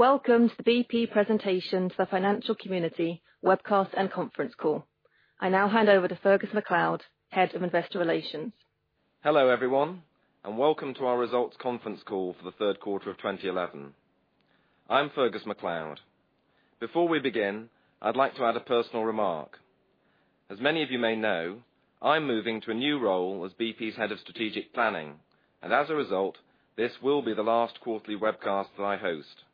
Welcome to the BP presentation to the financial community webcast and conference call. I now hand over to Fergus MacLeod, Head of Investor Relations. Hello everyone, and welcome to our results conference call for the third quarter of 2011. I'm Fergus MacLeod. Before we begin, I'd like to add a personal remark. As many of you may know, I'm moving to a new role as BP's Head of Strategic Planning, and as a result, this will be the last quarterly webcast that I host.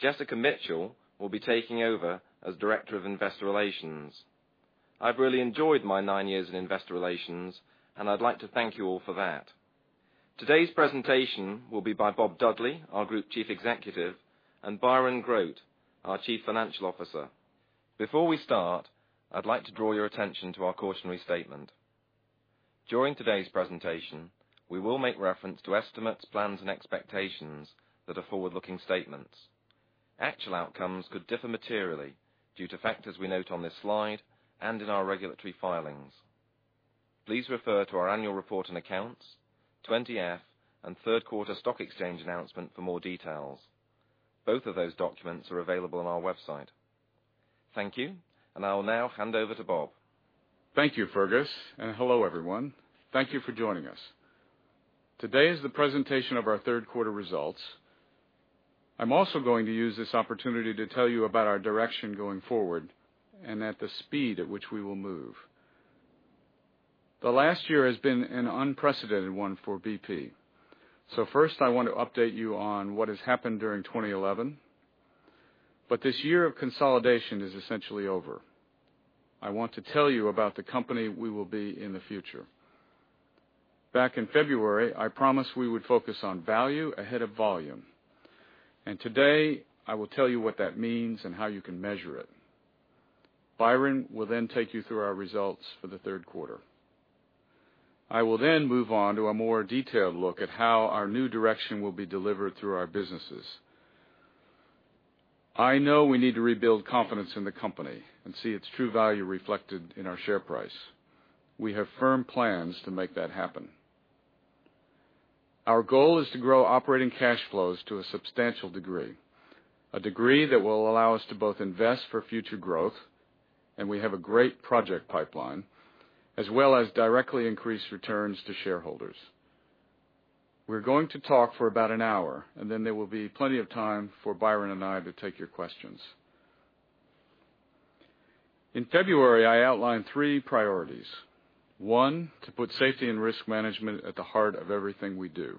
Jessica Mitchell will be taking over as Director of Investor Relations. I've really enjoyed my nine years in investor relations, and I'd like to thank you all for that. Today's presentation will be by Bob Dudley, our Group Chief Executive, and Byron Grote, our Chief Financial Officer. Before we start, I'd like to draw your attention to our cautionary statement. During today's presentation, we will make reference to estimates, plans, and expectations that are forward-looking statements. Actual outcomes could differ materially due to factors we note on this slide and in our regulatory filings. Please refer to our annual report on accounts, 20-F, and third quarter stock exchange announcement for more details. Both of those documents are available on our website. Thank you, and I will now hand over to Bob. Thank you, Fergus, and hello everyone. Thank you for joining us. Today is the presentation of our third quarter results. I'm also going to use this opportunity to tell you about our direction going forward and at the speed at which we will move. The last year has been an unprecedented one for BP. First, I want to update you on what has happened during 2011, but this year of consolidation is essentially over. I want to tell you about the company we will be in the future. Back in February, I promised we would focus on value ahead of volume, and today I will tell you what that means and how you can measure it. Byron will then take you through our results for the third quarter. I will then move on to a more detailed look at how our new direction will be delivered through our businesses. I know we need to rebuild confidence in the company and see its true value reflected in our share price. We have firm plans to make that happen. Our goal is to grow operating cash flows to a substantial degree, a degree that will allow us to both invest for future growth, and we have a great project pipeline, as well as directly increase returns to shareholders. We're going to talk for about an hour, and there will be plenty of time for Byron and I to take your questions. In February, I outlined three priorities: one, to put safety and risk management at the heart of everything we do;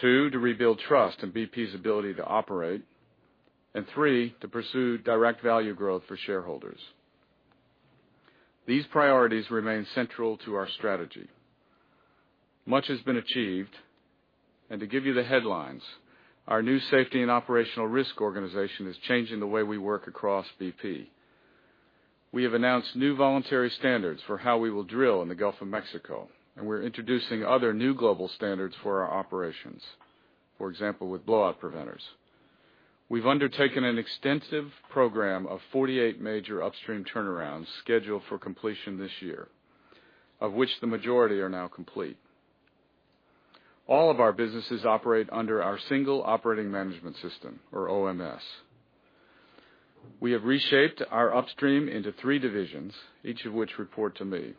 two, to rebuild trust in BP's ability to operate; and three, to pursue direct value growth for shareholders. These priorities remain central to our strategy. Much has been achieved, and to give you the headlines, our new Safety and Operational Risk Organization is changing the way we work across BP. We have announced new voluntary standards for how we will drill in the Gulf of Mexico, and we're introducing other new global standards for our operations, for example, with blowout preventers. We've undertaken an extensive program of 48 major upstream turnarounds scheduled for completion this year, of which the majority are now complete. All of our businesses operate under our Single Operating Management System, or OMS. We have reshaped our upstream into three divisions, each of which report to me.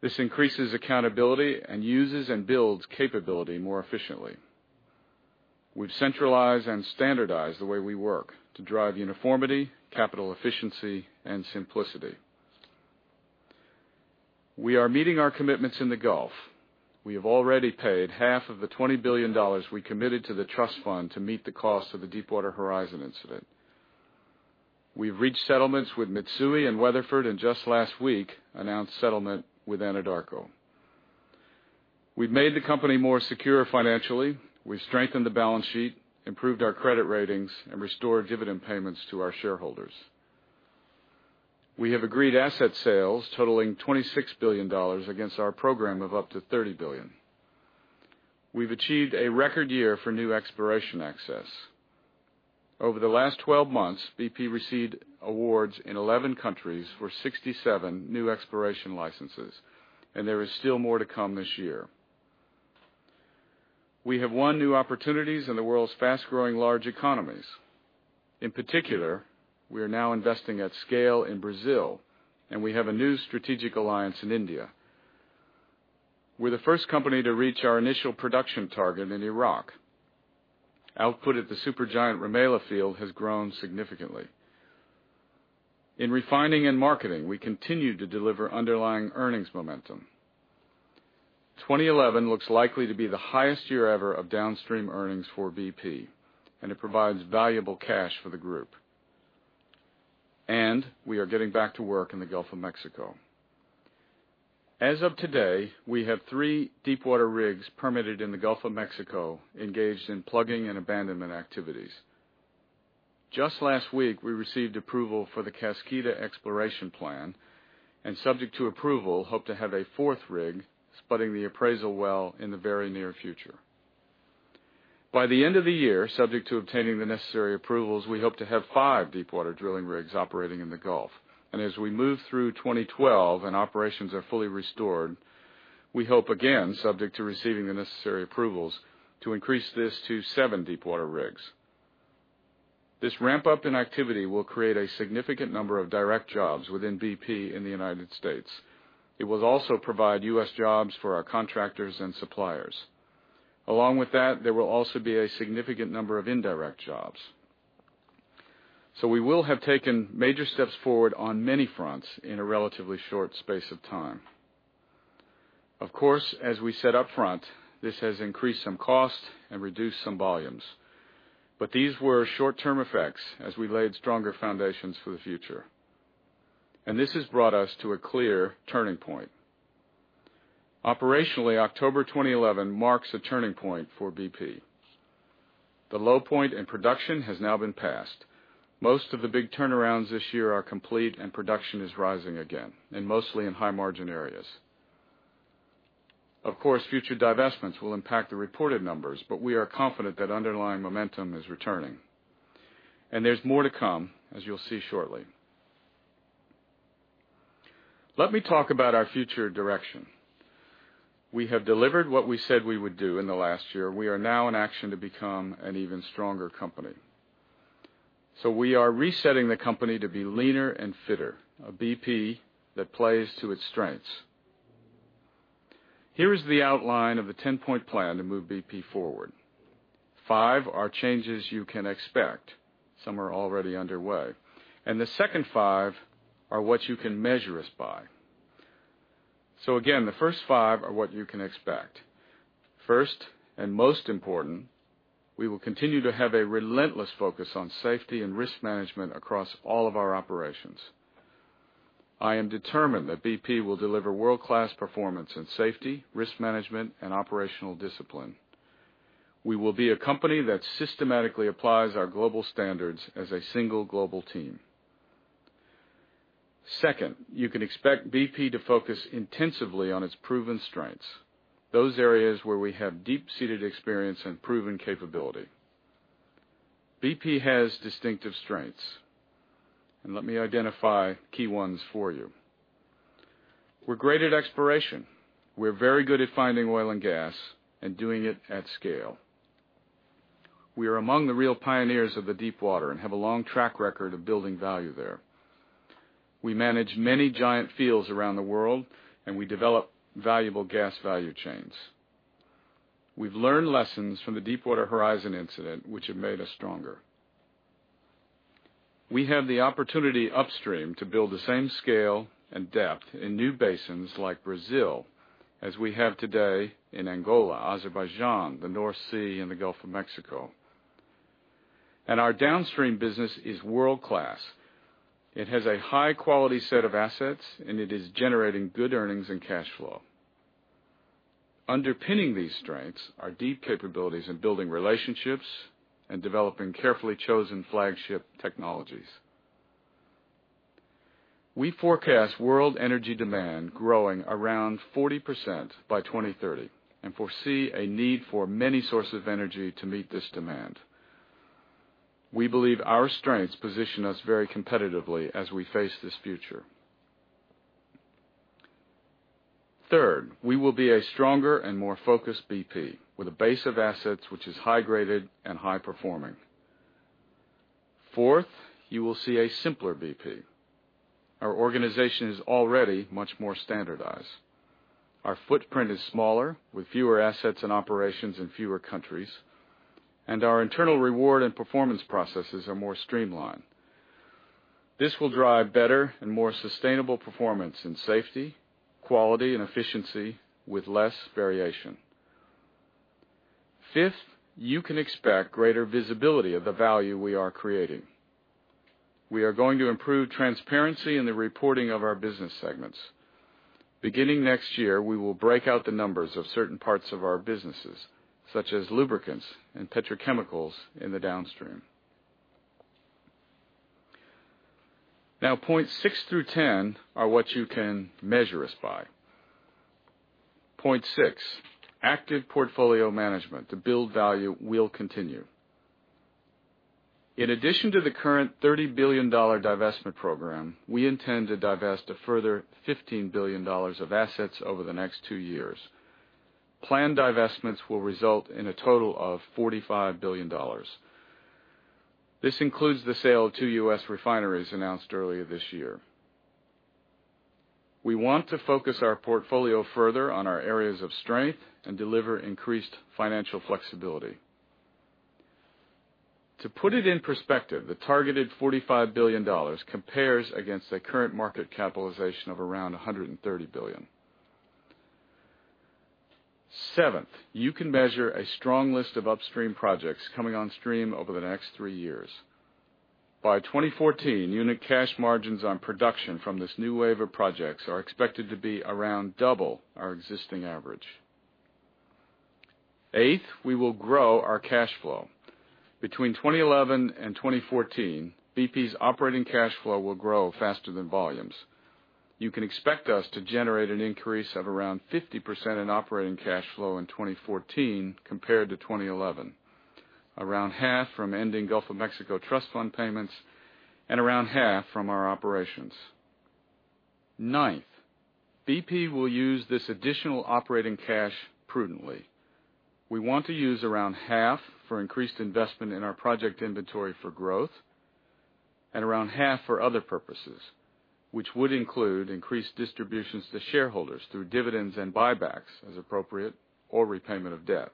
This increases accountability and uses and builds capability more efficiently. We've centralized and standardized the way we work to drive uniformity, capital efficiency, and simplicity. We are meeting our commitments in the Gulf. We have already paid half of the $20 billion we committed to the trust fund to meet the cost of the Deepwater Horizon incident. We've reached settlements with Mitsui and Weatherford, and just last week, announced settlement with Anadarko. We've made the company more secure financially. We've strengthened the balance sheet, improved our credit ratings, and restored dividend payments to our shareholders. We have agreed asset sales totaling $26 billion against our program of up to $30 billion. We've achieved a record year for new exploration access. Over the last 12 months, BP received awards in 11 countries for 67 new exploration licenses, and there is still more to come this year. We have won new opportunities in the world's fast-growing large economies. In particular, we are now investing at scale in Brazil, and we have a new strategic alliance in India. We're the first company to reach our initial production target in Iraq. Output at the supergiant Rumaila Field has grown significantly. In refining and marketing, we continue to deliver underlying earnings momentum. 2011 looks likely to be the highest year ever of downstream earnings for BP, and it provides valuable cash for the group. We are getting back to work in the Gulf of Mexico. As of today, we have three deepwater rigs permitted in the Gulf of Mexico engaged in plugging and abandonment activities. Just last week, we received approval for the Kaskida exploration plan, and subject to approval, hope to have a fourth rig spudding the appraisal well in the very near future. By the end of the year, subject to obtaining the necessary approvals, we hope to have five deepwater drilling rigs operating in the Gulf, and as we move through 2012 and operations are fully restored, we hope again, subject to receiving the necessary approvals, to increase this to seven deepwater rigs. This ramp-up in activity will create a significant number of direct jobs within BP in the United States. It will also provide U.S. jobs for our contractors and suppliers. Along with that, there will also be a significant number of indirect jobs. We will have taken major steps forward on many fronts in a relatively short space of time. Of course, as we said upfront, this has increased some costs and reduced some volumes, but these were short-term effects as we laid stronger foundations for the future. This has brought us to a clear turning point. Operationally, October 2011 marks a turning point for BP. The low point in production has now been passed. Most of the big turnarounds this year are complete, and production is rising again, mostly in high-margin areas. Of course, future divestments will impact the reported numbers, but we are confident that underlying momentum is returning. There is more to come, as you'll see shortly. Let me talk about our future direction. We have delivered what we said we would do in the last year. We are now in action to become an even stronger company. We are resetting the company to be leaner and fitter, a BP that plays to its strengths. Here is the outline of the 10-point plan to move BP forward. Five are changes you can expect. Some are already underway. The second five are what you can measure us by. Again, the first five are what you can expect. First and most important, we will continue to have a relentless focus on safety and risk management across all of our operations. I am determined that BP will deliver world-class performance in safety, risk management, and operational discipline. We will be a company that systematically applies our global standards as a single global team. Second, you can expect BP to focus intensively on its proven strengths, those areas where we have deep-seated experience and proven capability. BP has distinctive strengths, and let me identify key ones for you. We're great at exploration. We're very good at finding oil and gas and doing it at scale. We are among the real pioneers of the deepwater and have a long track record of building value there. We manage many giant fields around the world, and we develop valuable gas value chains. We've learned lessons from the Deepwater Horizon incident, which have made us stronger. We have the opportunity upstream to build the same scale and depth in new basins like Brazil as we have today in Angola, Azerbaijan, the North Sea, and the Gulf of Mexico. Our downstream business is world-class. It has a high-quality set of assets, and it is generating good earnings and cash flow. Underpinning these strengths are deep capabilities in building relationships and developing carefully chosen flagship technologies. We forecast world energy demand growing around 40% by 2030 and foresee a need for many sources of energy to meet this demand. We believe our strengths position us very competitively as we face this future. Third, we will be a stronger and more focused BP with a base of assets which is high-graded and high-performing. Fourth, you will see a simpler BP. Our organization is already much more standardized. Our footprint is smaller, with fewer assets and operations in fewer countries, and our internal reward and performance processes are more streamlined. This will drive better and more sustainable performance in safety, quality, and efficiency with less variation. Fifth, you can expect greater visibility of the value we are creating. We are going to improve transparency in the reporting of our business segments. Beginning next year, we will break out the numbers of certain parts of our businesses, such as lubricants and petrochemicals in the downstream. Now, points six through ten are what you can measure us by. Point six, active portfolio management to build value will continue. In addition to the current $30 billion divestment program, we intend to divest a further $15 billion of assets over the next two years. Planned divestments will result in a total of $45 billion. This includes the sale of two U.S. refineries announced earlier this year. We want to focus our portfolio further on our areas of strength and deliver increased financial flexibility. To put it in perspective, the targeted $45 billion compares against the current market capitalization of around $130 billion. Seventh, you can measure a strong list of upstream projects coming on stream over the next three years. By 2014, unit cash margins on production from this new wave of projects are expected to be around double our existing average. Eighth, we will grow our cash flow. Between 2011 and 2014, BP's operating cash flow will grow faster than volumes. You can expect us to generate an increase of around 50% in operating cash flow in 2014 compared to 2011, around half from ending Gulf of Mexico trust fund payments and around half from our operations. Ninth, BP will use this additional operating cash prudently. We want to use around half for increased investment in our project inventory for growth and around half for other purposes, which would include increased distributions to shareholders through dividends and buybacks as appropriate or repayment of debt.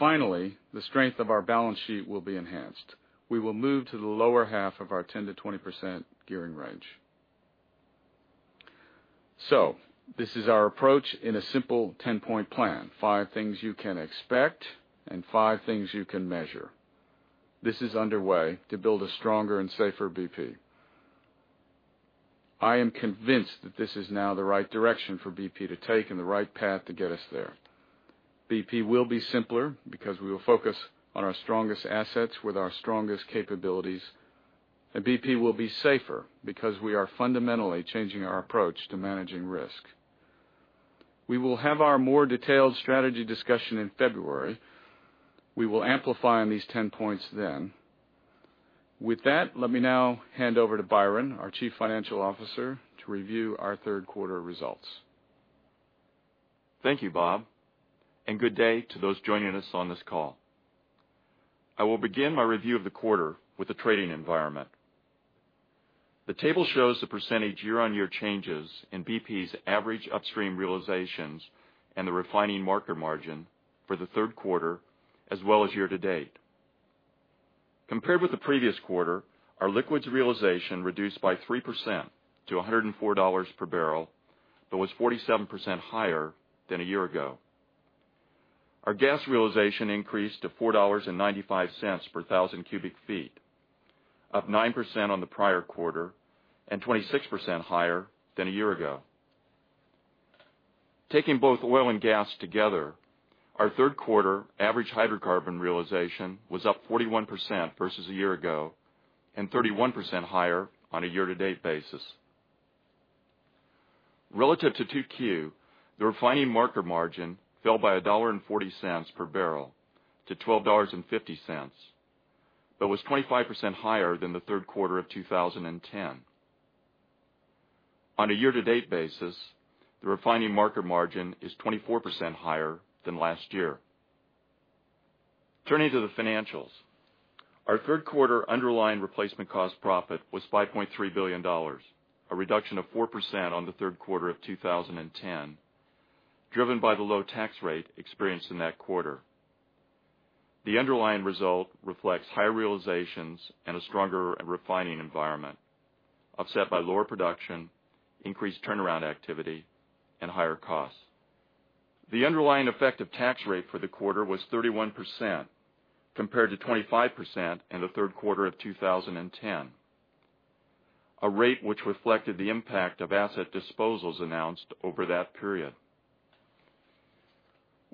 Finally, the strength of our balance sheet will be enhanced. We will move to the lower half of our 10%-20% gearing range. This is our approach in a simple 10-point plan, five things you can expect and five things you can measure. This is underway to build a stronger and safer BP. I am convinced that this is now the right direction for BP to take and the right path to get us there. BP will be simpler because we will focus on our strongest assets with our strongest capabilities, and BP will be safer because we are fundamentally changing our approach to managing risk. We will have our more detailed strategy discussion in February. We will amplify on these 10 points then. With that, let me now hand over to Byron, our Chief Financial Officer, to review our third quarter results. Thank you, Bob, and good day to those joining us on this call. I will begin my review of the quarter with the trading environment. The table shows the percentage year-on-year changes in BP's average upstream realizations and the refining market margin for the third quarter, as well as year to date. Compared with the previous quarter, our liquids realization reduced by 3% to $104 per barrel, but was 47% higher than a year ago. Our gas realization increased to $4.95 per 1,000 cu ft, up 9% on the prior quarter and 26% higher than a year ago. Taking both oil and gas together, our third quarter average hydrocarbon realization was up 41% versus a year ago and 31% higher on a year-to-date basis. Relative to 2Q, the refining market margin fell by $1.40 per barrel to $12.50, but was 25% higher than the third quarter of 2010. On a year-to-date basis, the refining market margin is 24% higher than last year. Turning to the financials, our third quarter underlying replacement cost profit was $5.3 billion, a reduction of 4% on the third quarter of 2010, driven by the low tax rate experienced in that quarter. The underlying result reflects higher realizations and a stronger refining environment, offset by lower production, increased turnaround activity, and higher costs. The underlying effective tax rate for the quarter was 31% compared to 25% in the third quarter of 2010, a rate which reflected the impact of asset disposals announced over that period.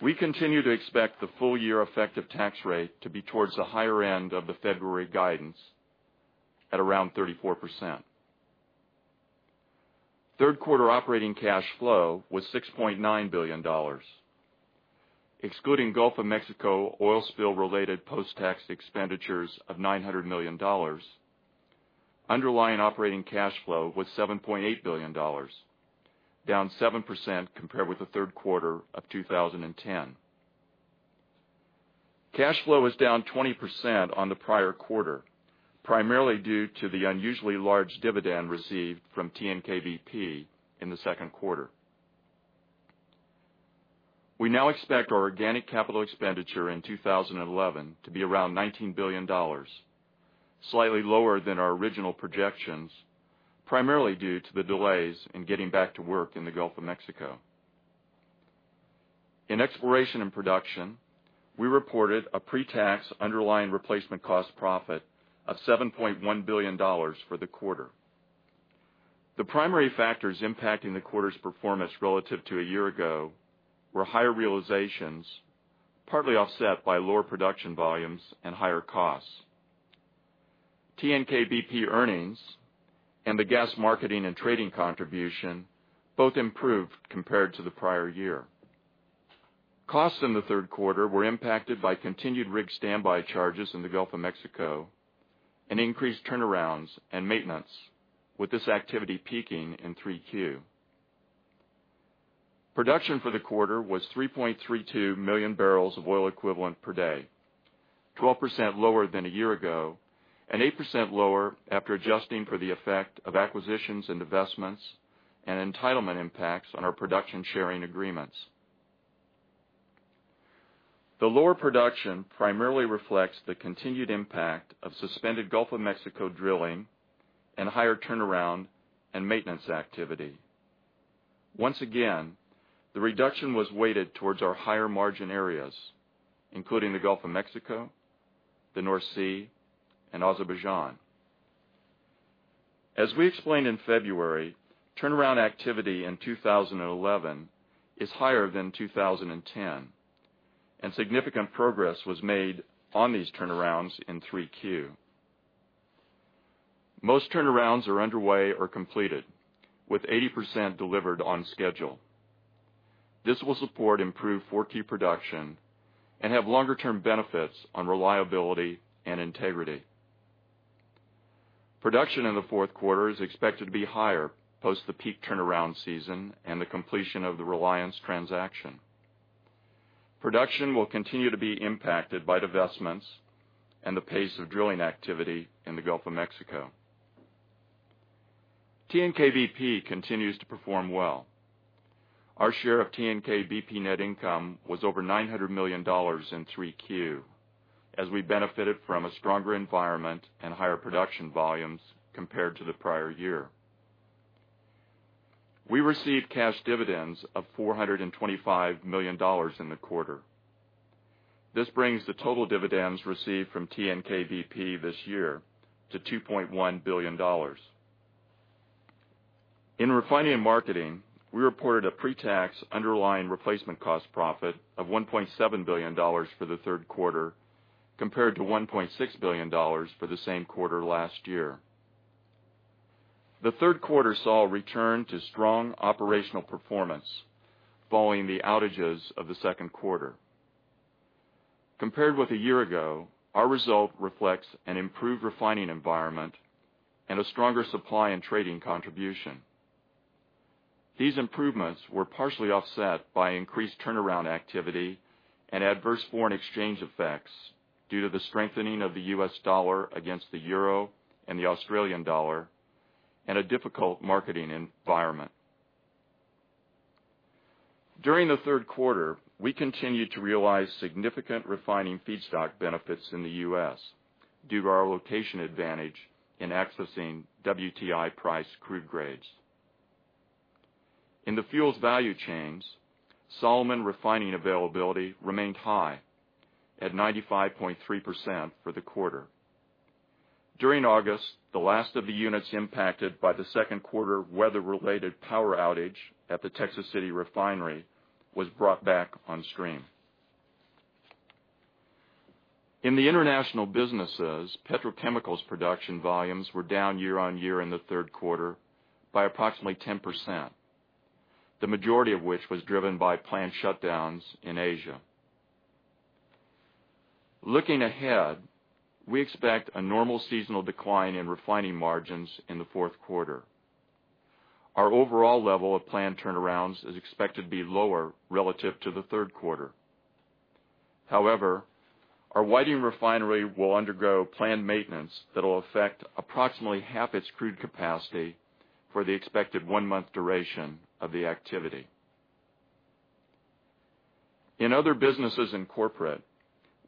We continue to expect the full-year effective tax rate to be towards the higher end of the February guidance at around 34%. Third quarter operating cash flow was $6.9 billion, excluding Gulf of Mexico oil spill-related post-tax expenditures of $900 million. Underlying operating cash flow was $7.8 billion, down 7% compared with the third quarter of 2010. Cash flow is down 20% on the prior quarter, primarily due to the unusually large dividend received from TNK-BP in the second quarter. We now expect our organic capital expenditure in 2011 to be around $19 billion, slightly lower than our original projections, primarily due to the delays in getting back to work in the Gulf of Mexico. In exploration and production, we reported a pre-tax underlying replacement cost profit of $7.1 billion for the quarter. The primary factors impacting the quarter's performance relative to a year ago were higher realizations, partly offset by lower production volumes and higher costs. TNK-BP earnings and the gas marketing and trading contribution both improved compared to the prior year. Costs in the third quarter were impacted by continued rig standby charges in the Gulf of Mexico and increased turnarounds and maintenance, with this activity peaking in 3Q. Production for the quarter was 3.32 bbls million of oil equivalent per day, 12% lower than a year ago and 8% lower after adjusting for the effect of acquisitions and divestments and entitlement impacts on our production sharing agreements. The lower production primarily reflects the continued impact of suspended Gulf of Mexico drilling and higher turnaround and maintenance activity. Once again, the reduction was weighted towards our higher margin areas, including the Gulf of Mexico, the North Sea, and Azerbaijan. As we explained in February, turnaround activity in 2011 is higher than 2010, and significant progress was made on these turnarounds in 3Q. Most turnarounds are underway or completed, with 80% delivered on schedule. This will support improved 4Q production and have longer-term benefits on reliability and integrity. Production in the fourth quarter is expected to be higher post the peak turnaround season and the completion of the Reliance Industries transaction. Production will continue to be impacted by divestments and the pace of drilling activity in the Gulf of Mexico. TNK-BP continues to perform well. Our share of TNK-BP net income was over $900 million in 3Q, as we benefited from a stronger environment and higher production volumes compared to the prior year. We received cash dividends of $425 million in the quarter. This brings the total dividends received from TNK-BP this year to $2.1 billion. In refining and marketing, we reported a pre-tax underlying replacement cost profit of $1.7 billion for the third quarter compared to $1.6 billion for the same quarter last year. The third quarter saw a return to strong operational performance following the outages of the second quarter. Compared with a year ago, our result reflects an improved refining environment and a stronger supply and trading contribution. These improvements were partially offset by increased turnaround activity and adverse foreign exchange effects due to the strengthening of the U.S. dollar against the euro and the Australian dollar and a difficult marketing environment. During the third quarter, we continued to realize significant refining feedstock benefits in the U.S. due to our location advantage in accessing WTI-priced crude grades. In the fuels value chains, Solomon refining availability remained high at 95.3% for the quarter. During August, the last of the units impacted by the second quarter weather-related power outage at the Texas City refinery was brought back on stream. In the international businesses, petrochemicals production volumes were down year on year in the third quarter by approximately 10%, the majority of which was driven by plant shutdowns in Asia. Looking ahead, we expect a normal seasonal decline in refining margins in the fourth quarter. Our overall level of planned turnarounds is expected to be lower relative to the third quarter. However, our Whiting Refinery will undergo planned maintenance that will affect approximately half its crude capacity for the expected one-month duration of the activity. In other businesses and corporate,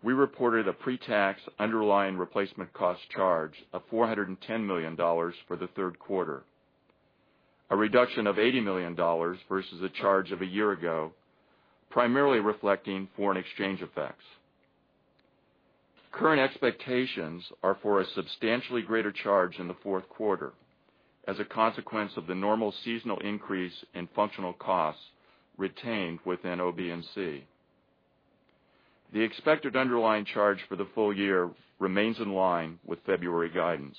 we reported a pre-tax underlying replacement cost charge of $410 million for the third quarter, a reduction of $80 million versus a charge of a year ago, primarily reflecting foreign exchange effects. Current expectations are for a substantially greater charge in the fourth quarter as a consequence of the normal seasonal increase in functional costs retained within OBNC. The expected underlying charge for the full year remains in line with February guidance.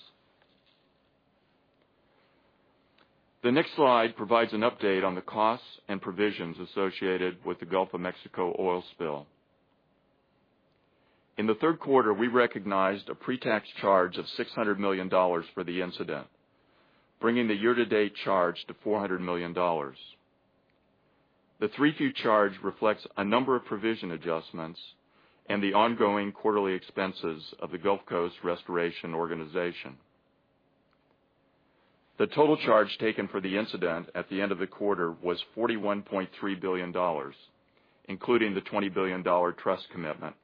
The next slide provides an update on the costs and provisions associated with the Gulf of Mexico oil spill. In the third quarter, we recognized a pre-tax charge of $600 million for the incident, bringing the year-to-date charge to $400 million. The 3Q charge reflects a number of provision adjustments and the ongoing quarterly expenses of the Gulf Coast Restoration Organization. The total charge taken for the incident at the end of the quarter was $41.3 billion, including the $20 billion trust commitment.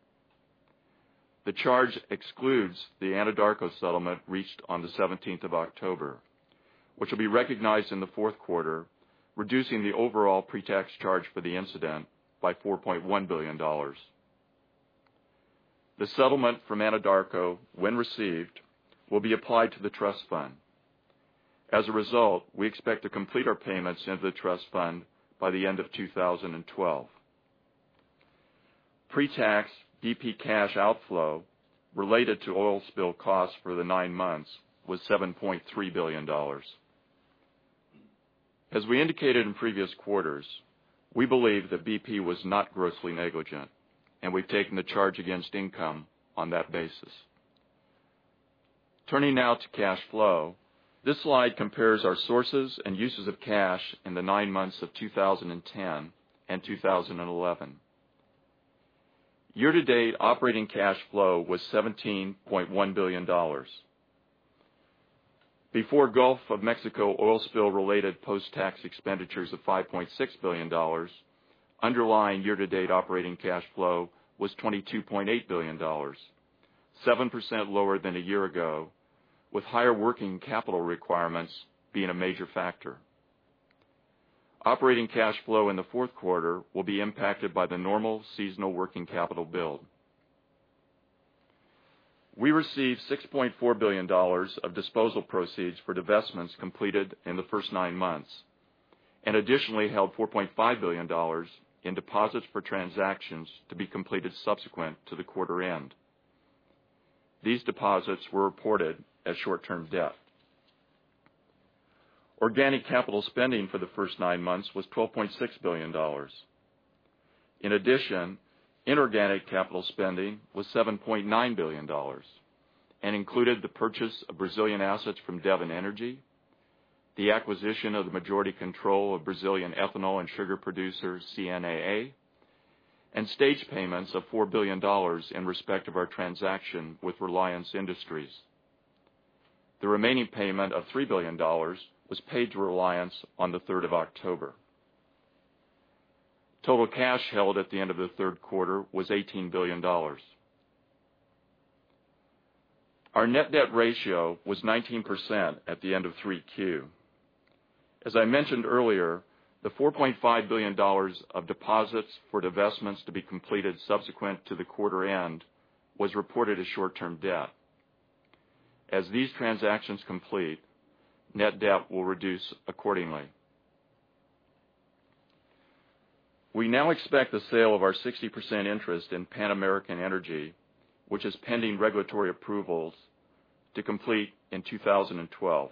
The charge excludes the Anadarko settlement reached on the 17th of October, which will be recognized in the fourth quarter, reducing the overall pre-tax charge for the incident by $4.1 billion. The settlement from Anadarko, when received, will be applied to the trust fund. As a result, we expect to complete our payments into the trust fund by the end of 2012. Pre-tax BP cash outflow related to oil spill costs for the nine months was $7.3 billion. As we indicated in previous quarters, we believe that BP was not grossly negligent, and we've taken the charge against income on that basis. Turning now to cash flow, this slide compares our sources and uses of cash in the nine months of 2010 and 2011. Year-to-date operating cash flow was $17.1 billion. Before Gulf of Mexico oil spill-related post-tax expenditures of $5.6 billion, underlying year-to-date operating cash flow was $22.8 billion, 7% lower than a year ago, with higher working capital requirements being a major factor. Operating cash flow in the fourth quarter will be impacted by the normal seasonal working capital build. We received $6.4 billion of disposal proceeds for divestments completed in the first nine months and additionally held $4.5 billion in deposits for transactions to be completed subsequent to the quarter end. These deposits were reported as short-term debt. Organic capital spending for the first nine months was $12.6 billion. In addition, inorganic capital spending was $7.9 billion and included the purchase of Brazilian assets from Devon Energy, the acquisition of the majority control of Brazilian ethanol and sugar producer CNAA, and stage payments of $4 billion in respect of our transaction with Reliance Industries. The remaining payment of $3 billion was paid to Reliance on the 3rd of October. Total cash held at the end of the third quarter was $18 billion. Our net debt ratio was 19% at the end of 3Q. As I mentioned earlier, the $4.5 billion of deposits for divestments to be completed subsequent to the quarter end was reported as short-term debt. As these transactions complete, net debt will reduce accordingly. We now expect the sale of our 60% interest in Pan American Energy, which is pending regulatory approvals, to complete in 2012.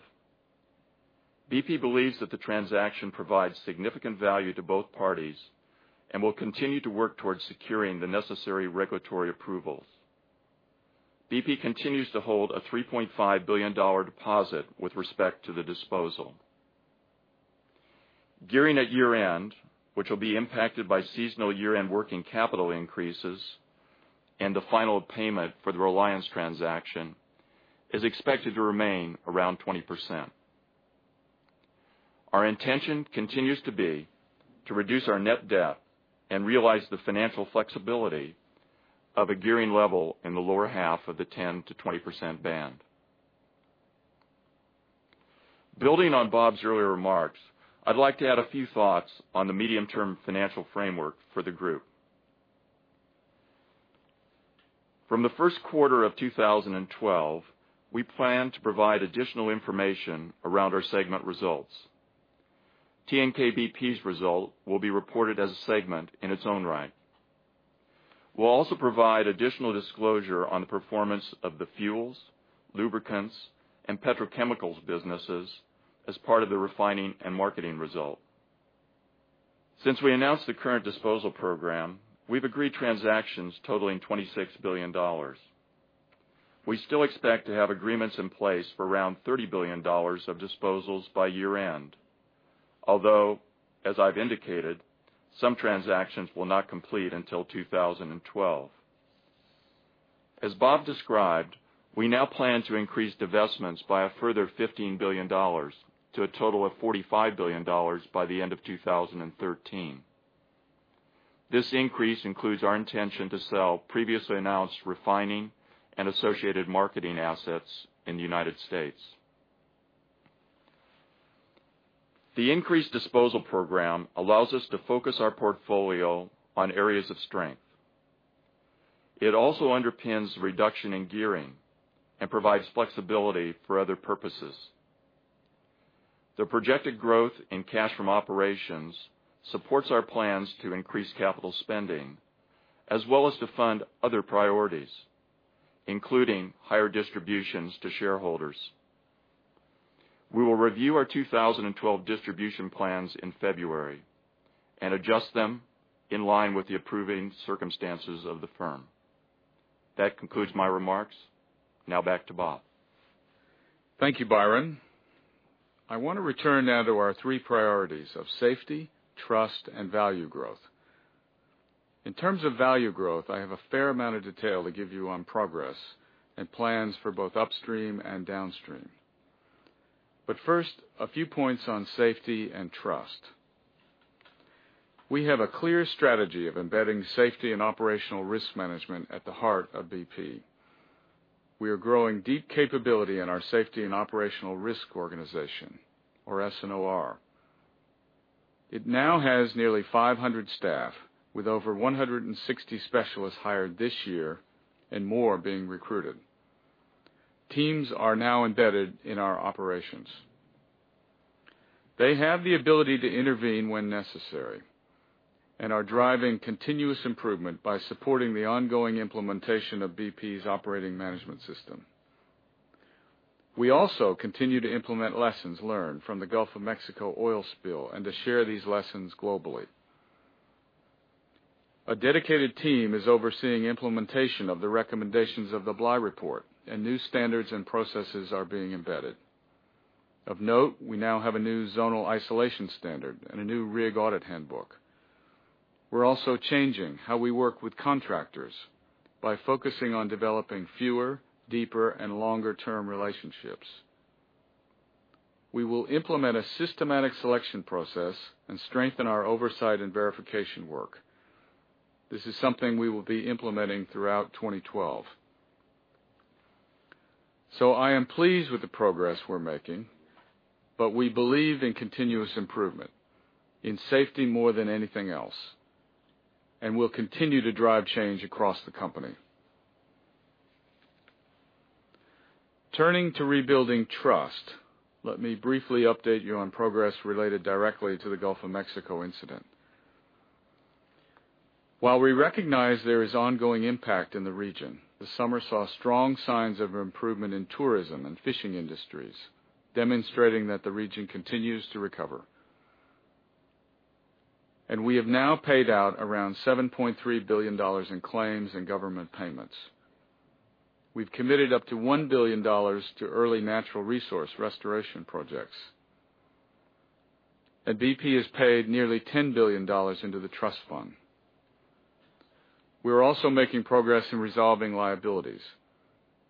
BP believes that the transaction provides significant value to both parties and will continue to work towards securing the necessary regulatory approvals. BP continues to hold a $3.5 billion deposit with respect to the disposal. Gearing at year-end, which will be impacted by seasonal year-end working capital increases and the final payment for the Reliance transaction, is expected to remain around 20%. Our intention continues to be to reduce our net debt and realize the financial flexibility of a gearing level in the lower half of the 10-20% band. Building on Bob's earlier remarks, I'd like to add a few thoughts on the medium-term financial framework for the group. From the first quarter of 2012, we plan to provide additional information around our segment results. TNK-BP's result will be reported as a segment in its own right. We'll also provide additional disclosure on the performance of the fuels, lubricants, and petrochemicals businesses as part of the refining and marketing result. Since we announced the current disposal program, we've agreed transactions totaling $26 billion. We still expect to have agreements in place for around $30 billion of disposals by year-end, although, as I've indicated, some transactions will not complete until 2012. As Bob described, we now plan to increase divestments by a further $15 billion to a total of $45 billion by the end of 2013. This increase includes our intention to sell previously announced refining and associated marketing assets in the United States. The increased disposal program allows us to focus our portfolio on areas of strength. It also underpins reduction in gearing and provides flexibility for other purposes. The projected growth in cash from operations supports our plans to increase capital spending as well as to fund other priorities, including higher distributions to shareholders. We will review our 2012 distribution plans in February and adjust them in line with the approving circumstances of the firm. That concludes my remarks. Now back to Bob. Thank you, Byron. I want to return now to our three priorities of safety, trust, and value growth. In terms of value growth, I have a fair amount of detail to give you on progress and plans for both upstream and downstream. First, a few points on safety and trust. We have a clear strategy of embedding safety and operational risk management at the heart of BP. We are growing deep capability in our Safety and Operational Risk Organization, or SNOR. It now has nearly 500 staff, with over 160 specialists hired this year and more being recruited. Teams are now embedded in our operations. They have the ability to intervene when necessary and are driving continuous improvement by supporting the ongoing implementation of BP's operating management system. We also continue to implement lessons learned from the Gulf of Mexico oil spill and to share these lessons globally. A dedicated team is overseeing implementation of the recommendations of the BLI report, and new standards and processes are being embedded. Of note, we now have a new zonal isolation standard and a new rig audit handbook. We're also changing how we work with contractors by focusing on developing fewer, deeper, and longer-term relationships. We will implement a systematic selection process and strengthen our oversight and verification work. This is something we will be implementing throughout 2012. I am pleased with the progress we're making, but we believe in continuous improvement, in safety more than anything else, and will continue to drive change across the company. Turning to rebuilding trust, let me briefly update you on progress related directly to the Gulf of Mexico incident. While we recognize there is ongoing impact in the region, the summer saw strong signs of improvement in tourism and fishing industries, demonstrating that the region continues to recover. We have now paid out around $7.3 billion in claims and government payments. We've committed up to $1 billion to early natural resource restoration projects, and BP has paid nearly $10 billion into the trust fund. We're also making progress in resolving liabilities.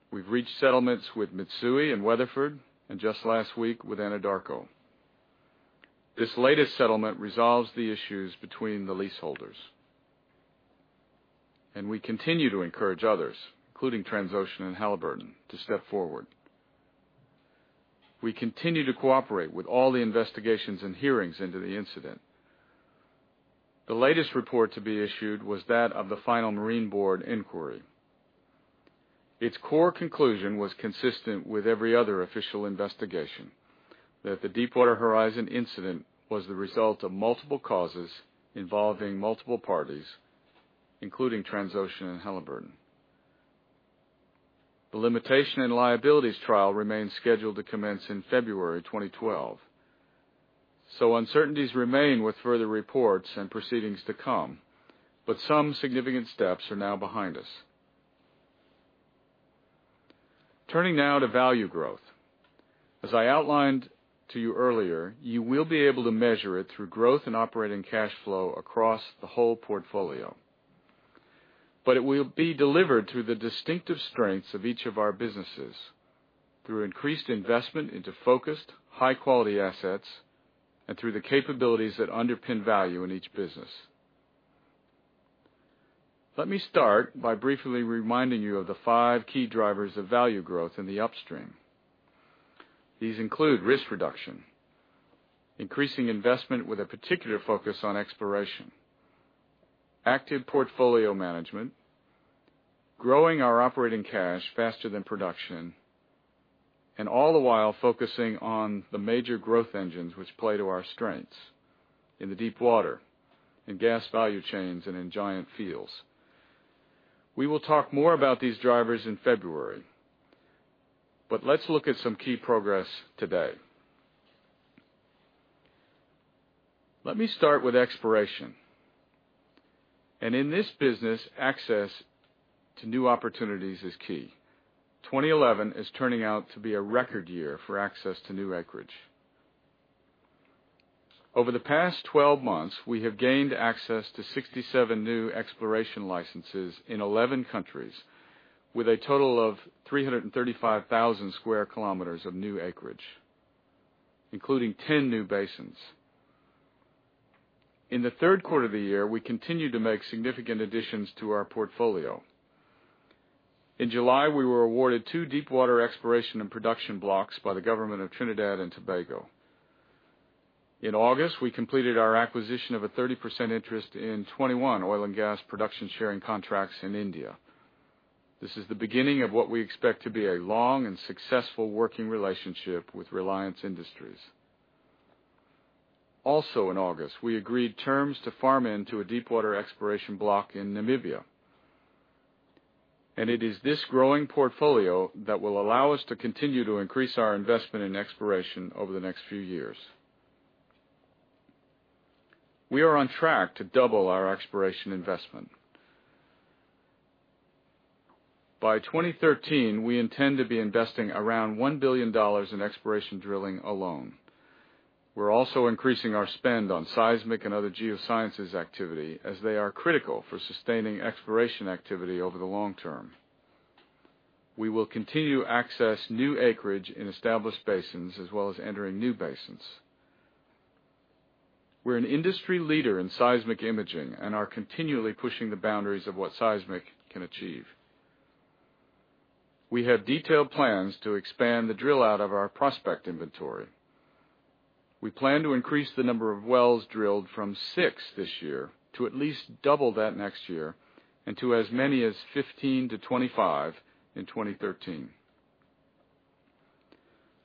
We've reached settlements with Mitsui and Weatherford, and just last week with Anadarko. This latest settlement resolves the issues between the leaseholders, and we continue to encourage others, including Transocean and Halliburton, to step forward. We continue to cooperate with all the investigations and hearings into the incident. The latest report to be issued was that of the final Marine Board inquiry. Its core conclusion was consistent with every other official investigation, that the Deepwater Horizon incident was the result of multiple causes involving multiple parties, including Transocean and Halliburton. The limitation and liabilities trial remains scheduled to commence in February 2012. Uncertainties remain with further reports and proceedings to come, but some significant steps are now behind us. Turning now to value growth. As I outlined to you earlier, you will be able to measure it through growth in operating cash flow across the whole portfolio, but it will be delivered through the distinctive strengths of each of our businesses, through increased investment into focused, high-quality assets, and through the capabilities that underpin value in each business. Let me start by briefly reminding you of the five key drivers of value growth in the upstream. These include risk reduction, increasing investment with a particular focus on exploration, active portfolio management, growing our operating cash faster than production, and all the while focusing on the major growth engines which play to our strengths in the deepwater and gas value chains and in giant fields. We will talk more about these drivers in February, but let's look at some key progress today. Let me start with exploration. In this business, access to new opportunities is key. 2011 is turning out to be a record year for access to new acreage. Over the past 12 months, we have gained access to 67 new exploration licenses in 11 countries with a total of 335,000 sq km of new acreage, including 10 new basins. In the third quarter of the year, we continue to make significant additions to our portfolio. In July, we were awarded two deepwater exploration and production blocks by the government of Trinidad and Tobago. In August, we completed our acquisition of a 30% interest in 21 oil and gas production sharing contracts in India. This is the beginning of what we expect to be a long and successful working relationship with Reliance Industries. Also in August, we agreed terms to farm into a deepwater exploration block in Namibia. It is this growing portfolio that will allow us to continue to increase our investment in exploration over the next few years. We are on track to double our exploration investment. By 2013, we intend to be investing around $1 billion in exploration drilling alone. We're also increasing our spend on seismic and other geosciences activity, as they are critical for sustaining exploration activity over the long term. We will continue to access new acreage in established basins as well as entering new basins. We're an industry leader in seismic imaging and are continually pushing the boundaries of what seismic can achieve. We have detailed plans to expand the drill-out of our prospect inventory. We plan to increase the number of wells drilled from six this year to at least double that next year and to as many as 15-25 in 2013.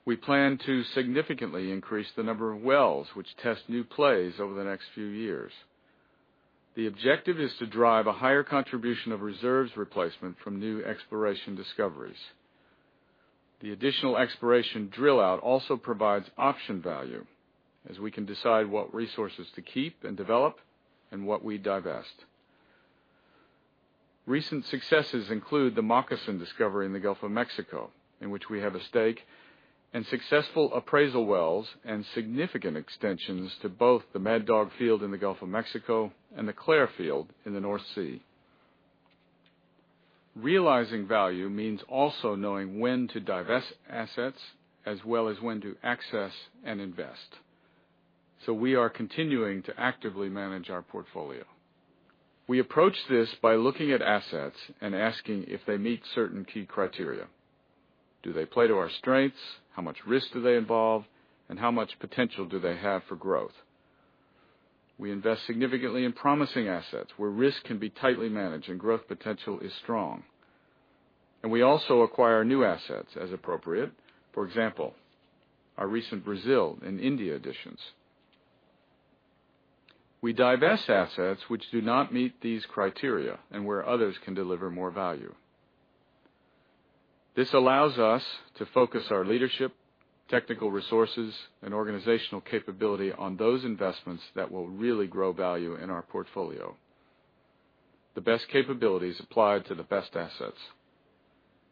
We plan to significantly increase the number of wells which test new plays over the next few years. The objective is to drive a higher contribution of reserves replacement from new exploration discoveries. The additional exploration drill-out also provides option value, as we can decide what resources to keep and develop and what we divest. Recent successes include the Moccasin discovery in the Gulf of Mexico, in which we have a stake, and successful appraisal wells and significant extensions to both the Mad Dog Field in the Gulf of Mexico and the Clair Field in the North Sea. Realizing value means also knowing when to divest assets as well as when to access and invest. We are continuing to actively manage our portfolio. We approach this by looking at assets and asking if they meet certain key criteria. Do they play to our strengths? How much risk do they involve? How much potential do they have for growth? We invest significantly in promising assets where risk can be tightly managed and growth potential is strong. We also acquire new assets as appropriate, for example, our recent Brazil and India additions. We divest assets which do not meet these criteria and where others can deliver more value. This allows us to focus our leadership, technical resources, and organizational capability on those investments that will really grow value in our portfolio. The best capabilities apply to the best assets.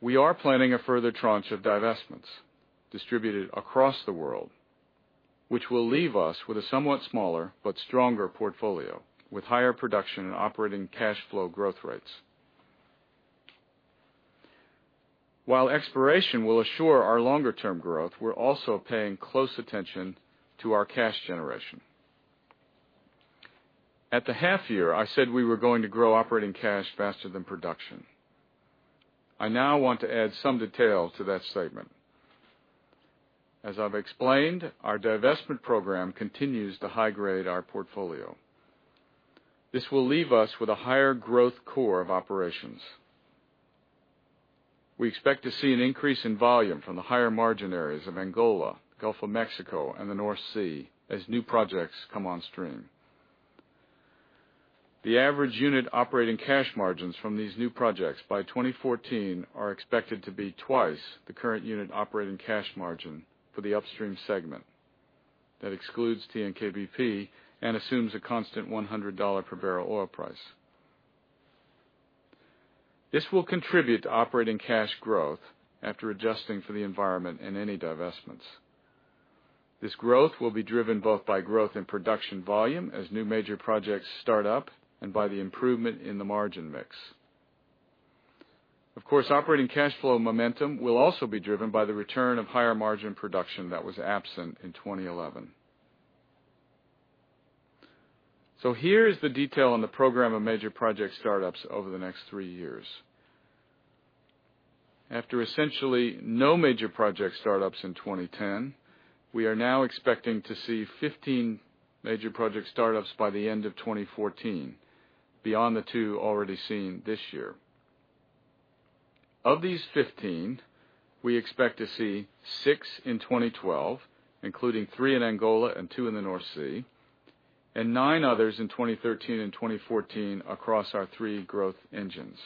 We are planning a further tranche of divestments distributed across the world, which will leave us with a somewhat smaller but stronger portfolio with higher production and operating cash flow growth rates. While exploration will assure our longer-term growth, we're also paying close attention to our cash generation. At the half year, I said we were going to grow operating cash faster than production. I now want to add some detail to that statement. As I've explained, our divestment program continues to high grade our portfolio. This will leave us with a higher growth core of operations. We expect to see an increase in volume from the higher margin areas of Angola, the Gulf of Mexico, and the North Sea as new projects come on stream. The average unit operating cash margins from these new projects by 2014 are expected to be twice the current unit operating cash margin for the upstream segment. That excludes TNK-BP and assumes a constant $100 per barrel oil price. This will contribute to operating cash growth after adjusting for the environment in any divestments. This growth will be driven both by growth in production volume as new major projects start up and by the improvement in the margin mix. Of course, operating cash flow momentum will also be driven by the return of higher margin production that was absent in 2011. Here is the detail on the program of major project startups over the next three years. After essentially no major project startups in 2010, we are now expecting to see 15 major project startups by the end of 2014, beyond the two already seen this year. Of these 15, we expect to see six in 2012, including three in Angola and two in the North Sea, and nine others in 2013 and 2014 across our three growth engines.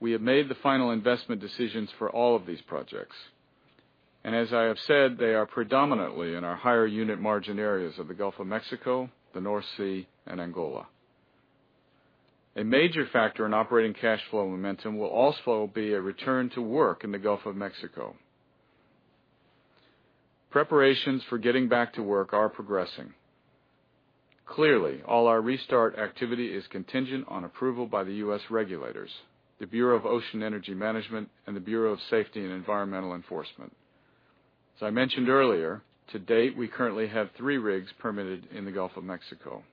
We have made the final investment decisions for all of these projects. As I have said, they are predominantly in our higher unit margin areas of the Gulf of Mexico, the North Sea, and Angola. A major factor in operating cash flow momentum will also be a return to work in the Gulf of Mexico. Preparations for getting back to work are progressing. Clearly, all our restart activity is contingent on approval by the U.S. regulators, the Bureau of Ocean Energy Management, and the Bureau of Safety and Environmental Enforcement As I mentioned earlier, to date, we currently have three rigs permitted in the Gulf of Mexico.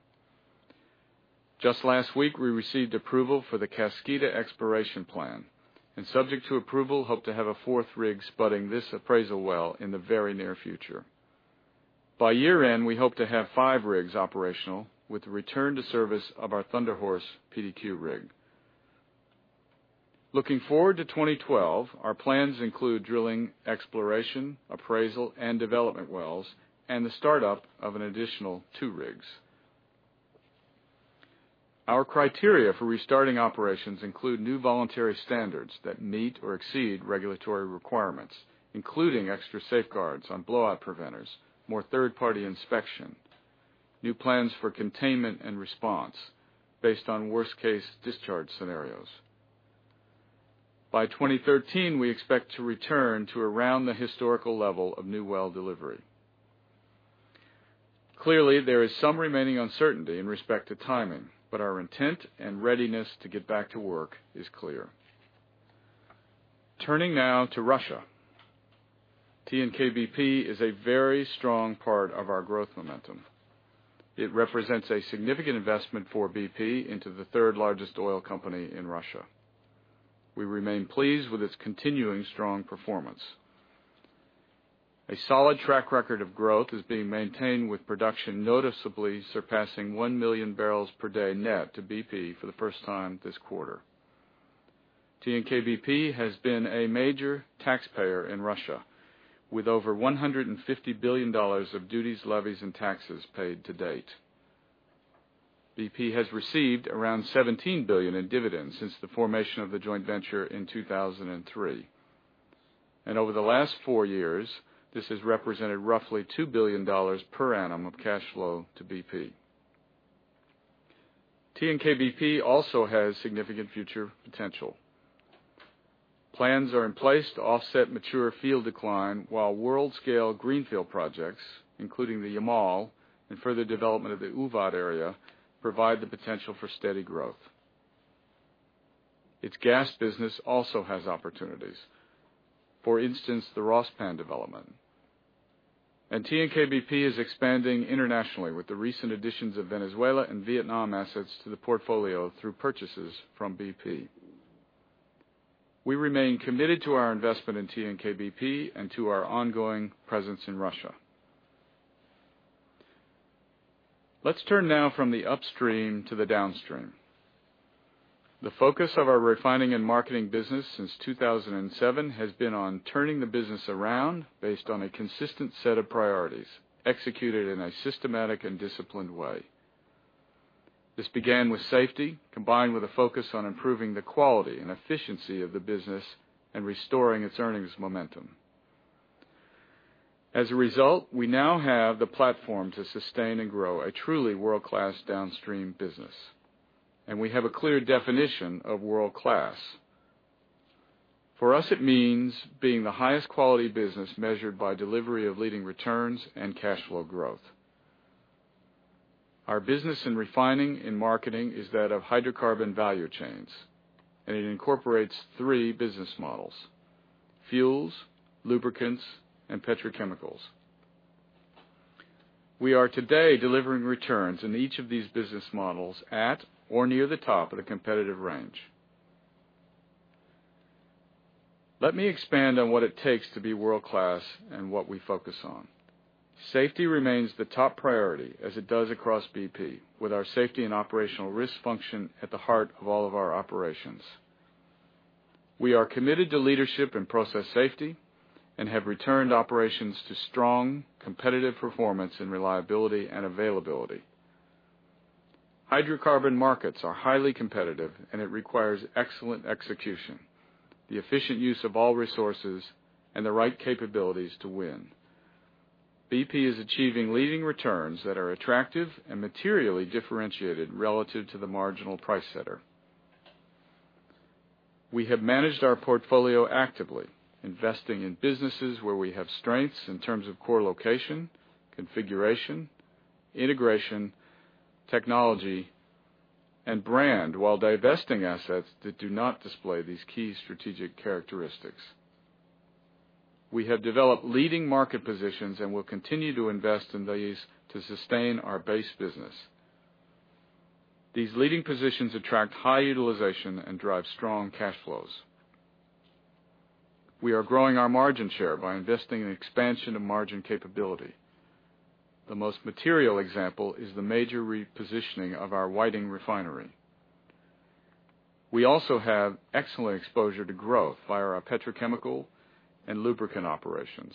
Just last week, we received approval for the Cascada exploration plan, and subject to approval, hope to have a fourth rig sputting this appraisal well in the very near future. By year-end, we hope to have five rigs operational with the return to service of our Thunder Horse PDQ rig. Looking forward to 2012, our plans include drilling, exploration, appraisal, and development wells, and the startup of an additional two rigs. Our criteria for restarting operations include new voluntary standards that meet or exceed regulatory requirements, including extra safeguards on blowout preventers, more third-party inspection, new plans for containment and response based on worst-case discharge scenarios. By 2013, we expect to return to around the historical level of new well delivery. Clearly, there is some remaining uncertainty in respect to timing, but our intent and readiness to get back to work is clear. Turning now to Russia. TNK-BP is a very strong part of our growth momentum. It represents a significant investment for BP into the third largest oil company in Russia. We remain pleased with its continuing strong performance. A solid track record of growth is being maintained with production noticeably surpassing 1 bbls million per day net to BP for the first time this quarter. TNK-BP has been a major taxpayer in Russia, with over $150 billion of duties, levies, and taxes paid to date. BP has received around $17 billion in dividends since the formation of the joint venture in 2003. Over the last four years, this has represented roughly $2 billion per annum of cash flow to BP. TNK-BP also has significant future potential. Plans are in place to offset mature field decline while world-scale greenfield projects, including the Yamal and further development of the UVAD area, provide the potential for steady growth. Its gas business also has opportunities. For instance, the ROSPAN development. TNK-BP is expanding internationally with the recent additions of Venezuela and Vietnam assets to the portfolio through purchases from BP. We remain committed to our investment in TNK-BP and to our ongoing presence in Russia. Let's turn now from the upstream to the downstream. The focus of our refining and marketing business since 2007 has been on turning the business around based on a consistent set of priorities executed in a systematic and disciplined way. This began with safety, combined with a focus on improving the quality and efficiency of the business and restoring its earnings momentum. As a result, we now have the platform to sustain and grow a truly world-class downstream business. We have a clear definition of world-class. For us, it means being the highest quality business measured by delivery of leading returns and cash flow growth. Our business in refining and marketing is that of hydrocarbon value chains, and it incorporates three business models: fuels, lubricants, and petrochemicals. We are today delivering returns in each of these business models at or near the top of the competitive range. Let me expand on what it takes to be world-class and what we focus on. Safety remains the top priority as it does across BP, with our Safety and Operational Risk function at the heart of all of our operations. We are committed to leadership and process safety and have returned operations to strong competitive performance in reliability and availability. Hydrocarbon markets are highly competitive, and it requires excellent execution, the efficient use of all resources, and the right capabilities to win. BP is achieving leading returns that are attractive and materially differentiated relative to the marginal price setter. We have managed our portfolio actively, investing in businesses where we have strengths in terms of core location, configuration, integration, technology, and brand while divesting assets that do not display these key strategic characteristics. We have developed leading market positions and will continue to invest in these to sustain our base business. These leading positions attract high utilization and drive strong cash flows. We are growing our margin share by investing in expansion of margin capability. The most material example is the major repositioning of our Whiting Refinery. We also have excellent exposure to growth via our petrochemical and lubricant operations.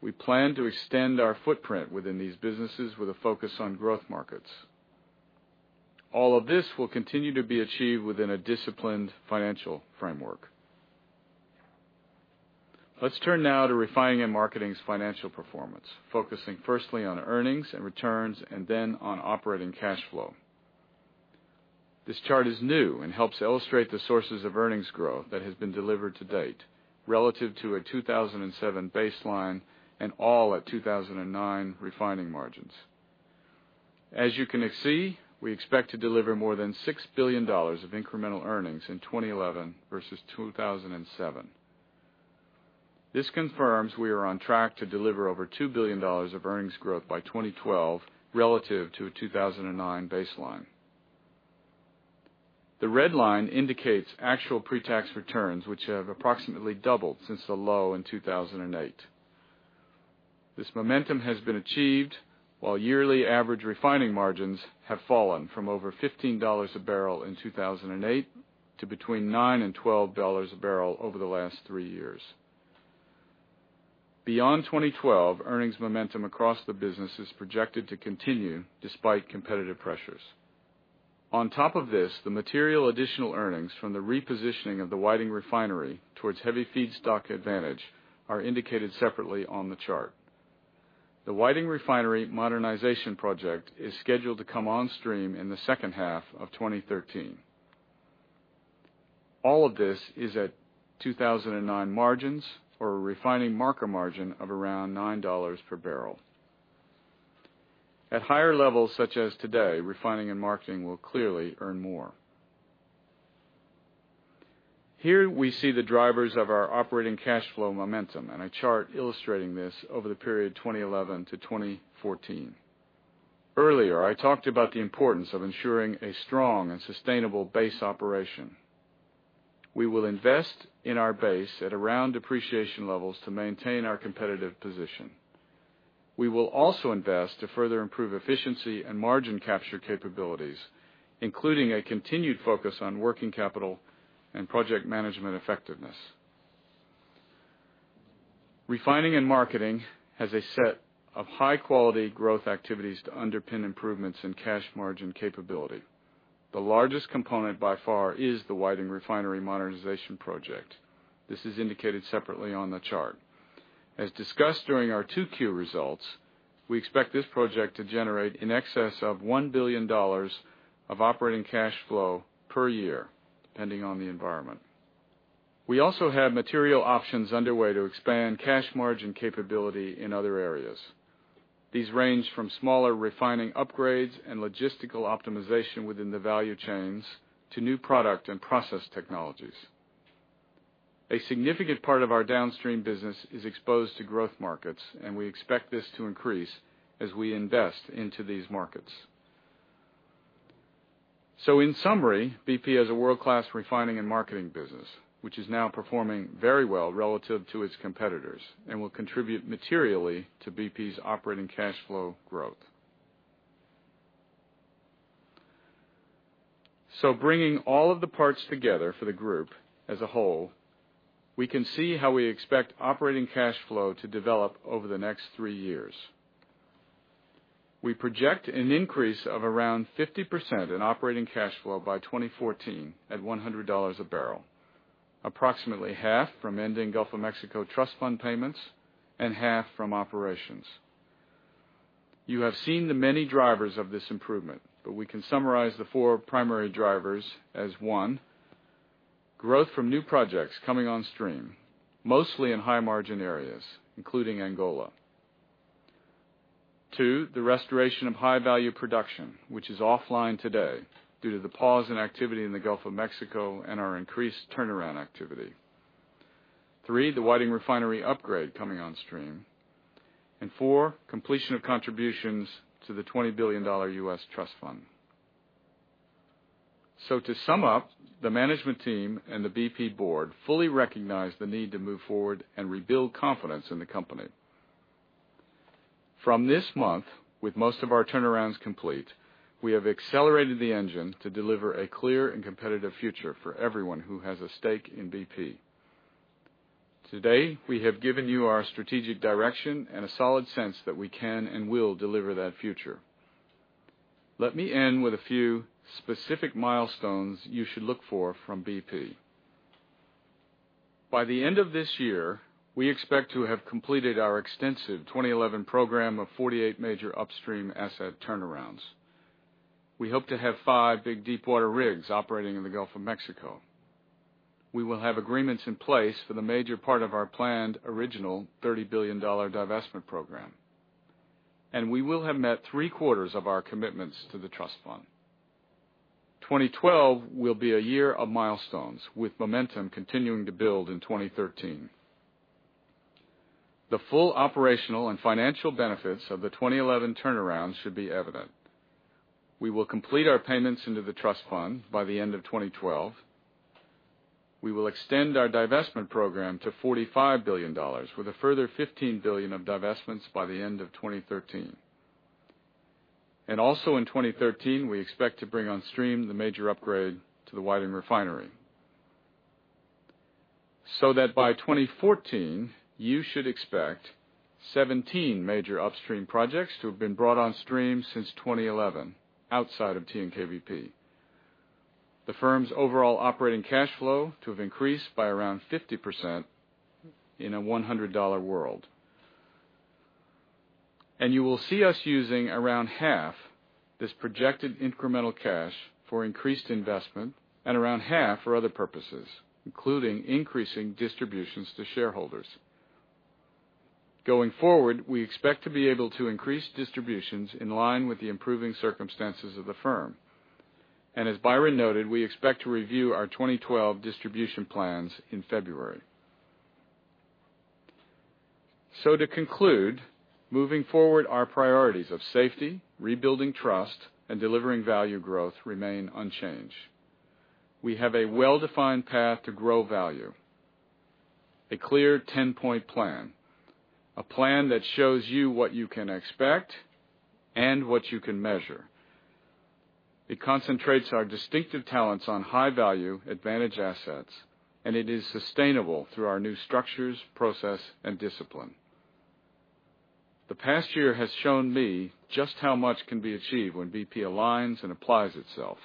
We plan to extend our footprint within these businesses with a focus on growth markets. All of this will continue to be achieved within a disciplined financial framework. Let's turn now to refining and marketing's financial performance, focusing firstly on earnings and returns and then on operating cash flow. This chart is new and helps illustrate the sources of earnings growth that has been delivered to date relative to a 2007 baseline and all at 2009 refining margins. As you can see, we expect to deliver more than $6 billion of incremental earnings in 2011 versus 2007. This confirms we are on track to deliver over $2 billion of earnings growth by 2012 relative to a 2009 baseline. The red line indicates actual pre-tax returns, which have approximately doubled since the low in 2008. This momentum has been achieved while yearly average refining margins have fallen from over $15 a barrel in 2008 to between $9 and $12 a barrel over the last three years. Beyond 2012, earnings momentum across the business is projected to continue despite competitive pressures. On top of this, the material additional earnings from the repositioning of the Whiting Refinery towards Heavy Feedstock Advantage are indicated separately on the chart. The Whiting Refinery modernization project is scheduled to come on stream in the second half of 2013. All of this is at 2009 margins for a refining market margin of around $9 per barrel. At higher levels such as today, refining and marketing will clearly earn more. Here we see the drivers of our operating cash flow momentum and a chart illustrating this over the period 2011-2014. Earlier, I talked about the importance of ensuring a strong and sustainable base operation. We will invest in our base at around appreciation levels to maintain our competitive position. We will also invest to further improve efficiency and margin capture capabilities, including a continued focus on working capital and project management effectiveness. Refining and marketing has a set of high-quality growth activities to underpin improvements in cash margin capability. The largest component by far is the Whiting Refinery modernization project. This is indicated separately on the chart. As discussed during our 2Q results, we expect this project to generate in excess of $1 billion of operating cash flow per year, depending on the environment. We also have material options underway to expand cash margin capability in other areas. These range from smaller refining upgrades and logistical optimization within the value chains to new product and process technologies. A significant part of our downstream business is exposed to growth markets, and we expect this to increase as we invest into these markets. In summary, BP has a world-class refining and marketing business, which is now performing very well relative to its competitors and will contribute materially to BP's operating cash flow growth. Bringing all of the parts together for the group as a whole, we can see how we expect operating cash flow to develop over the next three years. We project an increase of around 50% in operating cash flow by 2014 at $100 a barrel, approximately half from ending Gulf of Mexico trust fund payments and half from operations. You have seen the many drivers of this improvement, but we can summarize the four primary drivers as: one, growth from new projects coming on stream, mostly in high-margin areas, including Angola; two, the restoration of high-value production, which is offline today due to the pause in activity in the Gulf of Mexico and our increased turnaround activity; three, the Whiting Refinery upgrade coming on stream; and four, completion of contributions to the $20 billion U.S. trust fund. To sum up, the management team and the BP board fully recognize the need to move forward and rebuild confidence in the company. From this month, with most of our turnarounds complete, we have accelerated the engine to deliver a clear and competitive future for everyone who has a stake in BP. Today, we have given you our strategic direction and a solid sense that we can and will deliver that future. Let me end with a few specific milestones you should look for from BP. By the end of this year, we expect to have completed our extensive 2011 program of 48 major upstream asset turnarounds. We hope to have five big deepwater rigs operating in the Gulf of Mexico. We will have agreements in place for the major part of our planned original $30 billion divestment program, and we will have met three quarters of our commitments to the trust fund. 2012 will be a year of milestones with momentum continuing to build in 2013. The full operational and financial benefits of the 2011 turnaround should be evident. We will complete our payments into the trust fund by the end of 2012. We will extend our divestment program to $45 billion with a further $15 billion of divestments by the end of 2013. Also in 2013, we expect to bring on stream the major upgrade to the Whiting Refinery. By 2014, you should expect 17 major upstream projects to have been brought on stream since 2011 outside of TNK-BP. The firm's overall operating cash flow to have increased by around 50% in a $100 world. You will see us using around half this projected incremental cash for increased investment and around half for other purposes, including increasing distributions to shareholders. Going forward, we expect to be able to increase distributions in line with the improving circumstances of the firm. As Byron noted, we expect to review our 2012 distribution plans in February. To conclude, moving forward, our priorities of safety, rebuilding trust, and delivering value growth remain unchanged. We have a well-defined path to grow value, a clear 10-point plan, a plan that shows you what you can expect and what you can measure. It concentrates our distinctive talents on high-value advantage assets, and it is sustainable through our new structures, process, and discipline. The past year has shown me just how much can be achieved when BP aligns and applies itself.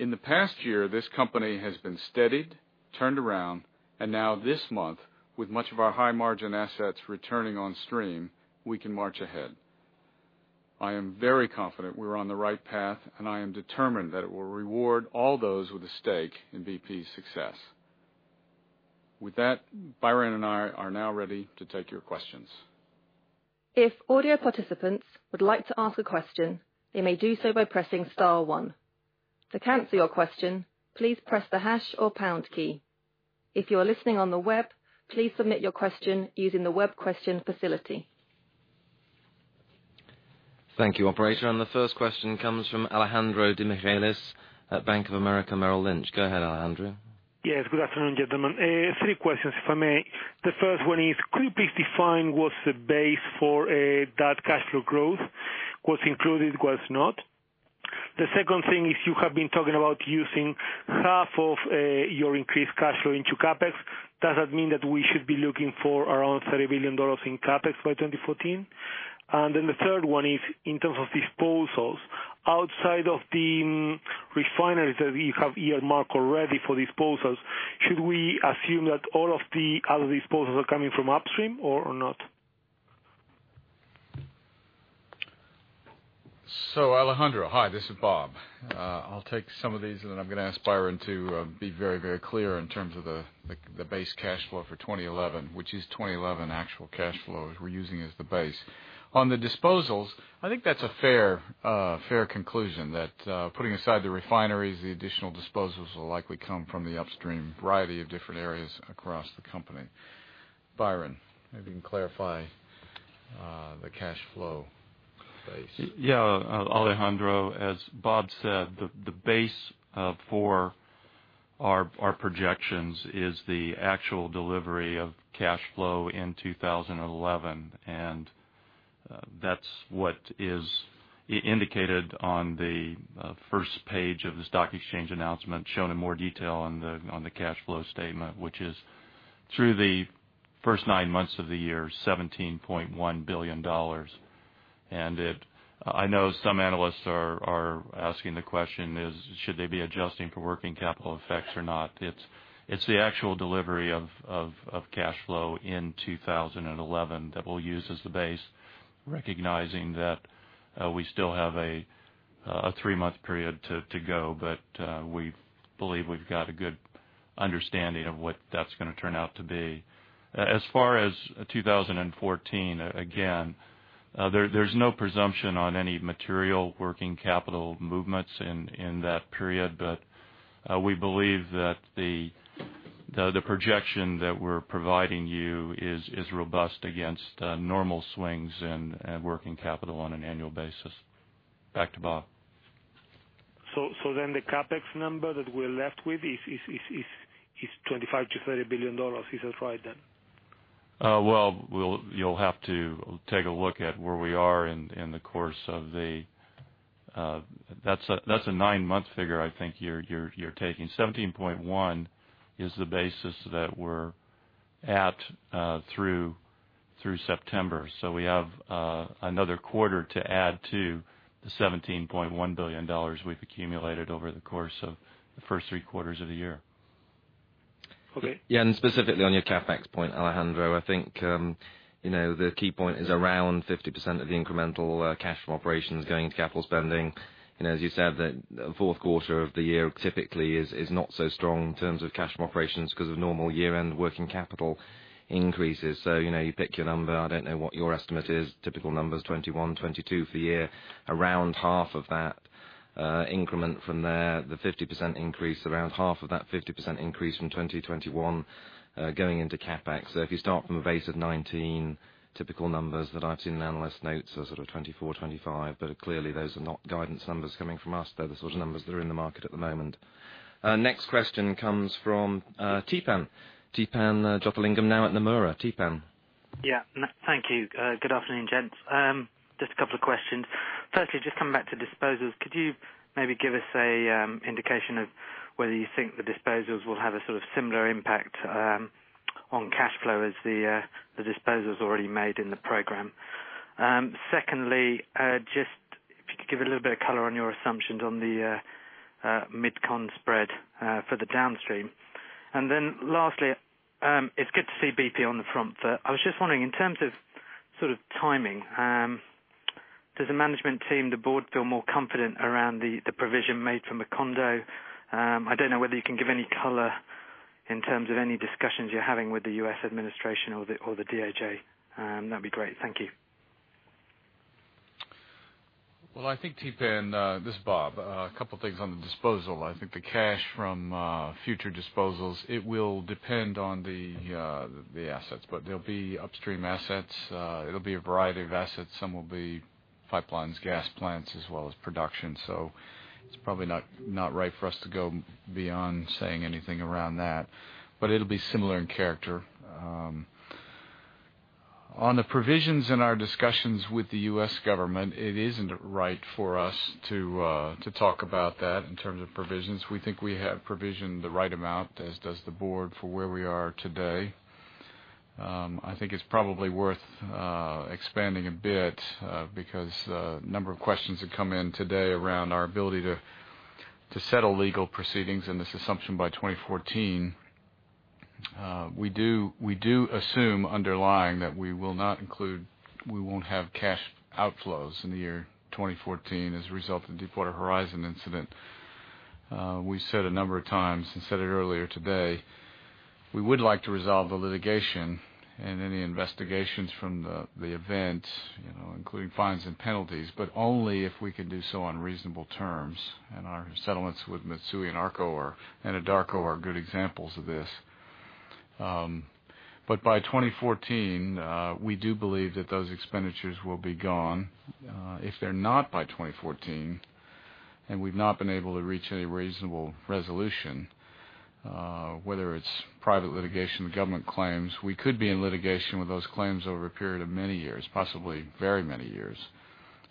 In the past year, this company has been steadied, turned around, and now this month, with much of our high-margin assets returning on stream, we can march ahead. I am very confident we're on the right path, and I am determined that it will reward all those with a stake in BP's success. With that, Byron and I are now ready to take your questions. If audio participants would like to ask a question, they may do so by pressing Star, one. To cancel your question, please press the Hash or Pound key. If you are listening on the web, please submit your question using the web question facility. Thank you, operator. The first question comes from Alejandro De Michele at Bank of America Merrill Lynch. Go ahead, Alejandro. Yes, good afternoon, gentlemen. Three questions, if I may. The first one is, could you please define what's the base for that cash flow growth? What's included, what's not? The second thing is, you have been talking about using half of your increased cash flow into CapEx. Does that mean that we should be looking for around $30 billion in CapEx by 2014? The third one is, in terms of disposals, outside of the refineries that you have earmarked already for disposals, should we assume that all of the other disposals are coming from upstream or not? Alejandro, hi, this is Bob. I'll take some of these, and then I'm going to ask Byron to be very, very clear in terms of the base cash flow for 2011, which is 2011 actual cash flows we're using as the base. On the disposals, I think that's a fair conclusion that putting aside the refineries, the additional disposals will likely come from the upstream variety of different areas across the company. Byron, maybe you can clarify the cash flow base. Yeah. Alejandro, as Bob said, the base for our projections is the actual delivery of cash flow in 2011, and that's what is indicated on the first page of the stock exchange announcement, shown in more detail on the cash flow statement, which is through the first nine months of the year, $17.1 billion. I know some analysts are asking the question, should they be adjusting for working capital effects or not? It's the actual delivery of cash flow in 2011 that we'll use as the base, recognizing that we still have a three-month period to go, but we believe we've got a good understanding of what that's going to turn out to be. As far as 2014, again, there's no presumption on any material working capital movements in that period, but we believe that the projection that we're providing you is robust against normal swings in working capital on an annual basis. Back to Bob. The CapEx number that we're left with is $25 billion-$30 billion. Is that right then? You'll have to take a look at where we are in the course of the year. That's a nine-month figure I think you're taking. $17.1 billion is the basis that we're at through September. We have another quarter to add to the $17.1 billion we've accumulated over the course of the first three quarters of the year. Okay. Yeah, and specifically on your CapEx point, Alejandro, I think the key point is around 50% of the incremental cash flow operations going to capital spending. As you said, the fourth quarter of the year typically is not so strong in terms of cash flow operations because of normal year-end working capital increases. You pick your number. I don't know what your estimate is. Typical numbers 2021, 2022 for the year, around half of that increment from there, the 50% increase, around half of that 50% increase from 2021 going into CapEx. If you start from a base of 19, typical numbers that I've seen in analysts' notes are sort of 24, 25, but clearly those are not guidance numbers coming from us. They're the sort of numbers that are in the market at the moment. Next question comes from Teppan. Teppan Jeyalingam, now at Nomura. Teppan. Yeah, thank you. Good afternoon, gents. Just a couple of questions. Firstly, just coming back to disposals, could you maybe give us an indication of whether you think the disposals will have a sort of similar impact on cash flow as the disposals already made in the program? Secondly, just if you could give a little bit of color on your assumptions on the mid-cont spread for the downstream. Lastly, it's good to see BP on the front foot. I was just wondering, in terms of sort of timing, does the management team, the board, feel more confident around the provision made from Macondo? I don't know whether you can give any color in terms of any discussions you're having with the U.S. administration or the DOJ. That'd be great. Thank you. I think, Teppan, this is Bob, a couple of things on the disposal. I think the cash from future disposals will depend on the assets, but there'll be upstream assets. It'll be a variety of assets. Some will be pipelines, gas plants, as well as production. It's probably not right for us to go beyond saying anything around that, but it'll be similar in character. On the provisions in our discussions with the U.S. government, it isn't right for us to talk about that in terms of provisions. We think we have provisioned the right amount, as does the board, for where we are today. I think it's probably worth expanding a bit because the number of questions that come in today around our ability to settle legal proceedings in this assumption by 2014. We do assume underlying that we will not include, we won't have cash outflows in the year 2014 as a result of the Deepwater Horizon incident. We said a number of times and said it earlier today, we would like to resolve the litigation and any investigations from the event, including fines and penalties, only if we could do so on reasonable terms. Our settlements with Mitsui and Arco and Anadarko are good examples of this. By 2014, we do believe that those expenditures will be gone. If they're not by 2014 and we've not been able to reach any reasonable resolution, whether it's private litigation or government claims, we could be in litigation with those claims over a period of many years, possibly very many years.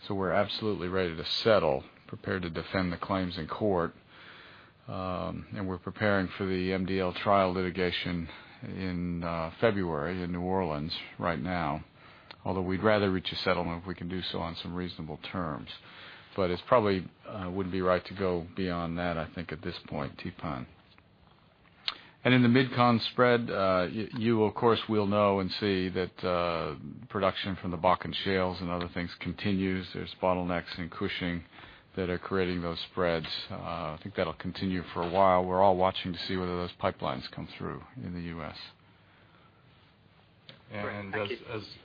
We're absolutely ready to settle, prepared to defend the claims in court, and we're preparing for the MDL trial litigation in February in New Orleans right now, although we'd rather reach a settlement if we can do so on some reasonable terms. It probably wouldn't be right to go beyond that, I think, at this point, Tepan. In the mid-cons spread, you, of course, will know and see that production from the Bakken shales and other things continues. There are bottlenecks in cushing that are creating those spreads. I think that'll continue for a while. We're all watching to see whether those pipelines come through in the U.S.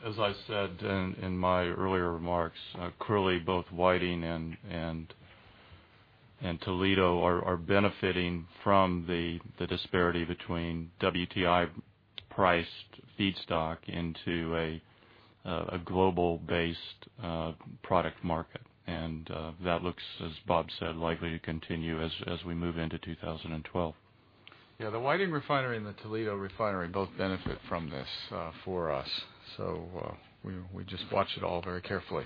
As I said in my earlier remarks, clearly both Whiting and Toledo are benefiting from the disparity between WTI-priced feedstock into a global-based product market, and that looks, as Bob said, likely to continue as we move into 2012. The Whiting Refinery and the Toledo Refinery both benefit from this for us. We just watch it all very carefully.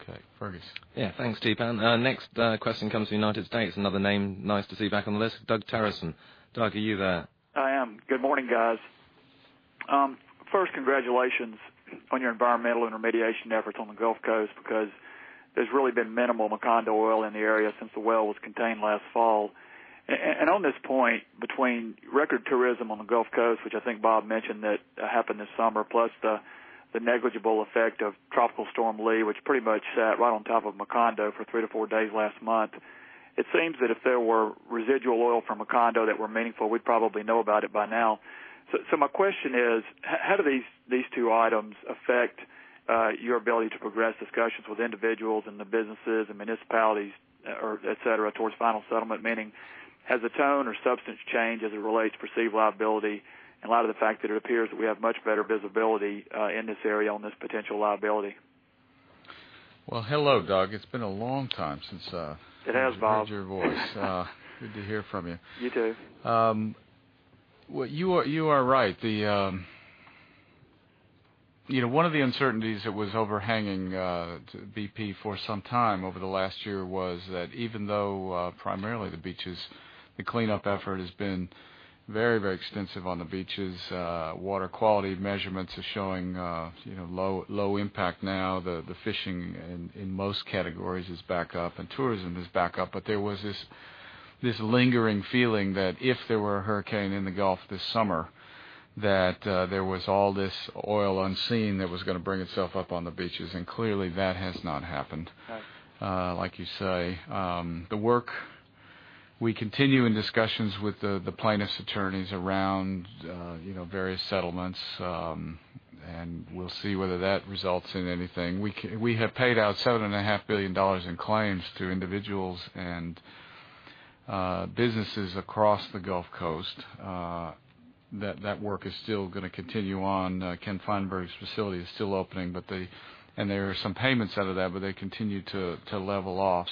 Okay, Fergus. Yeah, thanks, Teppan. Next question comes from the United States. Another name, nice to see back on the list, Doug Terreson. Doug, are you there? Good morning, guys. First, congratulations on your environmental intermediation efforts on the Gulf Coast because there's really been minimal Macondo oil in the area since the well was contained last fall. On this point, between record tourism on the Gulf Coast, which I think Bob mentioned that happened this summer, plus the negligible effect of Tropical Storm Lee, which pretty much sat right on top of Macondo for three to four days last month, it seems that if there were residual oil from Macondo that were meaningful, we'd probably know about it by now. My question is, how do these two items affect your ability to progress discussions with individuals and the businesses and municipalities, etc., towards final settlement? Meaning, has the tone or substance changed as it relates to perceived liability in light of the fact that it appears that we have much better visibility in this area on this potential liability? Hello, Doug. It's been a long time since I last heard your voice. It has, Bob. Good to hear from you. You too. You know, one of the uncertainties that was overhanging BP for some time over the last year was that even though primarily the beaches, the cleanup effort has been very, very extensive on the beaches, water quality measurements are showing low impact now. The fishing in most categories is back up and tourism is back up. There was this lingering feeling that if there were a hurricane in the Gulf this summer, that there was all this oil unseen that was going to bring itself up on the beaches. Clearly, that has not happened. Like you say, the work we continue in discussions with the plaintiff's attorneys around various settlements, and we'll see whether that results in anything. We have paid out $7.5 billion in claims to individuals and businesses across the Gulf Coast. That work is still going to continue on. Ken Feinberg's facility is still opening, and there are some payments out of that, but they continue to level off.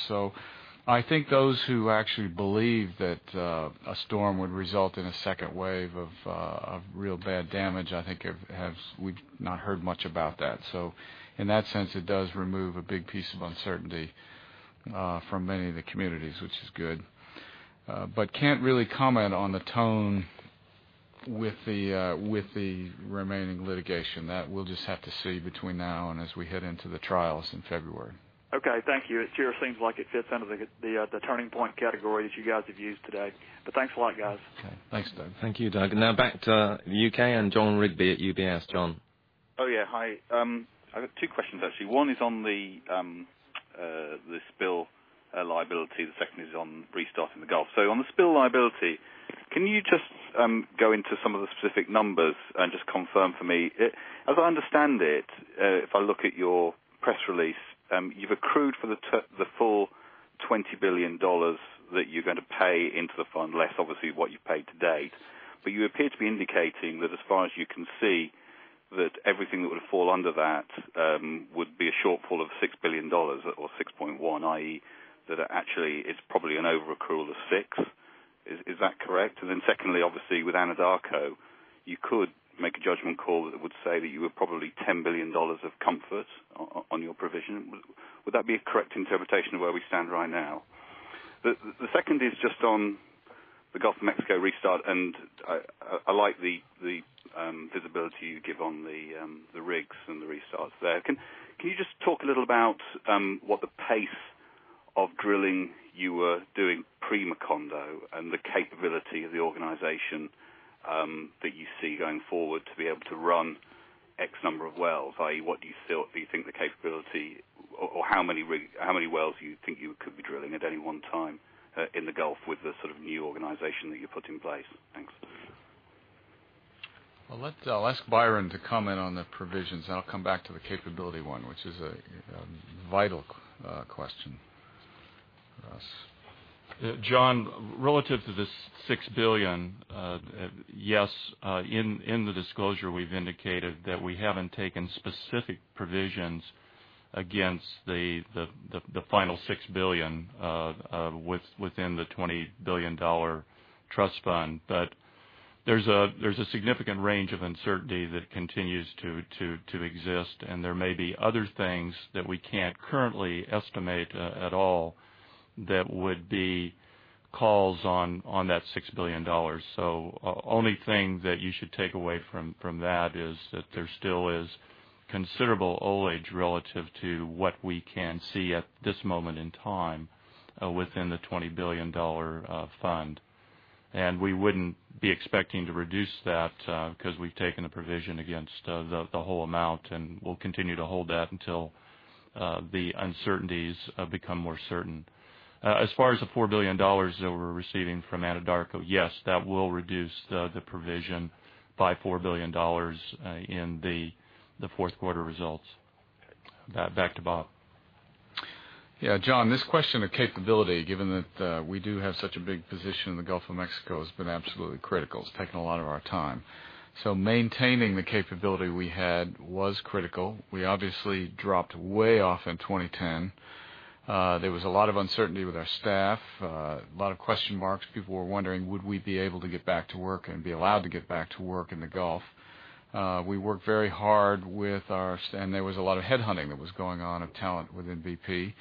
I think those who actually believe that a storm would result in a second wave of real. That damage, I think, we've not heard much about that. In that sense, it does remove a big piece of uncertainty from many of the communities, which is good. I can't really comment on the tone with the remaining litigation. We'll just have to see between now and as we head into the trials in February. Okay, thank you. It sure seems like it fits into the turning point category that you guys have used today. Thanks a lot, guys. Okay, thanks, Doug. Thank you, Doug. Now back to the UK and John Rigby at UBS. John? Oh, yeah, hi. I've got two questions, actually. One is on the spill liability. The second is on restarting the Gulf. On the spill liability, can you just go into some of the specific numbers and just confirm for me? As I understand it, if I look at your press release, you've accrued for the full $20 billion that you're going to pay into the fund, less obviously what you've paid to date. You appear to be indicating that as far as you can see, everything that would fall under that would be a shortfall of $6 billion or $6.1 billion, i.e., that it actually is probably an overaccrual of six. Is that correct? Secondly, with Anadarko, you could make a judgment call that would say that you were probably $10 billion of comfort on your provision. Would that be a correct interpretation of where we stand right now? The second is just on the Gulf of Mexico restart. I like the visibility you give on the rigs and the restarts there. Can you just talk a little about what the pace of drilling you were doing pre-Macondo and the capability of the organization that you see going forward to be able to run X number of wells, i.e., what do you think the capability or how many wells do you think you could be drilling at any one time in the Gulf with the sort of new organization that you put in place? Thanks. I'll ask Byron to comment on the provisions. I'll come back to the capability one, which is a vital question for us. John, relative to this $6 billion, yes, in the disclosure, we've indicated that we haven't taken specific provisions against the final $6 billion within the $20 billion trust fund. There's a significant range of uncertainty that continues to exist, and there may be other things that we can't currently estimate at all that would be calls on that $6 billion. The only thing that you should take away from that is that there still is considerable uncertainty relative to what we can see at this moment in time within the $20 billion fund. We wouldn't be expecting to reduce that, because we've taken a provision against the whole amount. We'll continue to hold that until the uncertainties become more certain. As far as the $4 billion that we're receiving from Anadarko, yes, that will reduce the provision by $4 billion in the fourth quarter results. Back to Bob. John, this question of capability, given that we do have such a big position in the Gulf of Mexico, has been absolutely critical. It's taken a lot of our time. Maintaining the capability we had was critical. We obviously dropped way off in 2010. There was a lot of uncertainty with our staff, a lot of question marks. People were wondering, would we be able to get back to work and be allowed to get back to work in the Gulf? We worked very hard with our staff, and there was a lot of headhunting that was going on of talent within BP.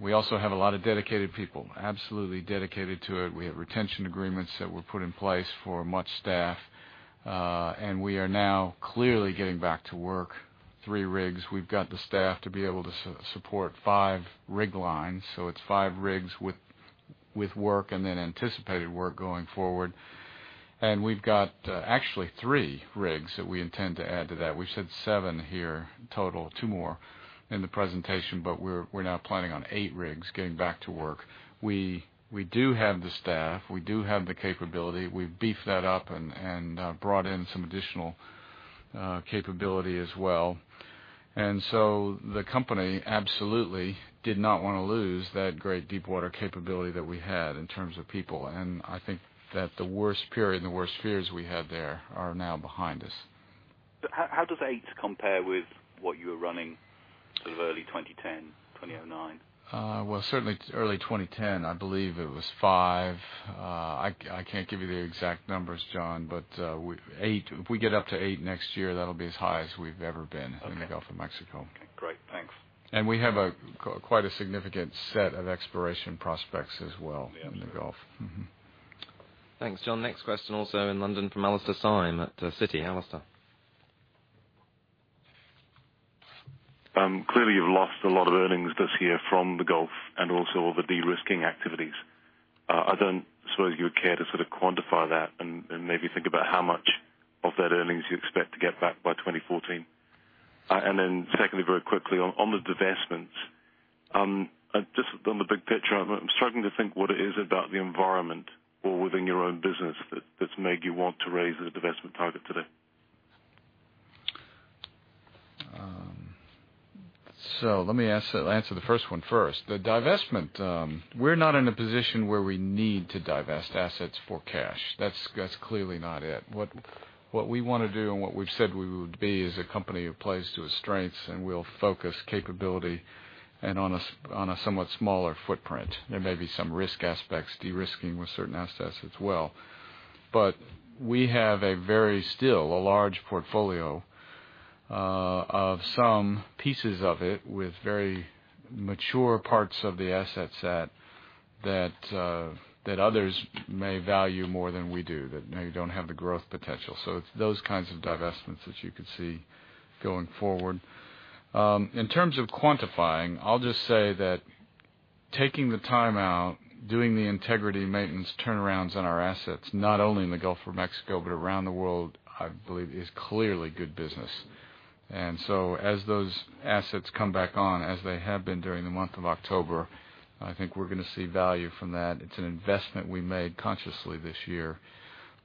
We also have a lot of dedicated people, absolutely dedicated to it. We had retention agreements that were put in place for much staff, and we are now clearly getting back to work three rigs. We've got the staff to be able to support five rig lines. It's five rigs with work and then anticipated work going forward. We've got actually three rigs that we intend to add to that. We've said seven here total, two more in the presentation, but we're now planning on eight rigs getting back to work. We do have the staff. We do have the capability. We beefed that up and brought in some additional capability as well. The company absolutely did not want to lose that great deepwater capability that we had in terms of people. I think that the worst period and the worst fears we had there are now behind us. How does eight compare with what you were running sort of early 2010, 2009? Early 2010, I believe it was five. I can't give you the exact numbers, John, but eight, if we get up to eight next year, that'll be as high as we've ever been in the Gulf of Mexico. Great, thanks. We have quite a significant set of exploration prospects as well in the Gulf of Mexico. Thanks, John. Next question also in London from Alistair Syme at Citi. Alistair. Clearly you've lost a lot of earnings this year from the Gulf and also all the de-risking activities. I don't suppose you would care to sort of quantify that and maybe think about how much of that earnings you expect to get back by 2014. Secondly, very quickly, on the divestments, just on the big picture, I'm struggling to think what it is about the environment or within your own business that's made you want to raise the divestment target today. Let me answer the first one first. The divestment, we're not in a position where we need to divest assets for cash. That's clearly not it. What we want to do and what we've said we would be is a company that plays to its strengths, and we'll focus capability and on a somewhat smaller footprint. There may be some risk aspects, de-risking with certain assets as well. We have a very, still a large portfolio of some pieces of it with very mature parts of the asset set that others may value more than we do, that maybe don't have the growth potential. It's those kinds of divestments that you could see going forward. In terms of quantifying, I'll just say that taking the time out, doing the integrity maintenance turnarounds on our assets, not only in the Gulf of Mexico, but around the world, I believe is clearly good business. As those assets come back on, as they have been during the month of October, I think we're going to see value from that. It's an investment we made consciously this year.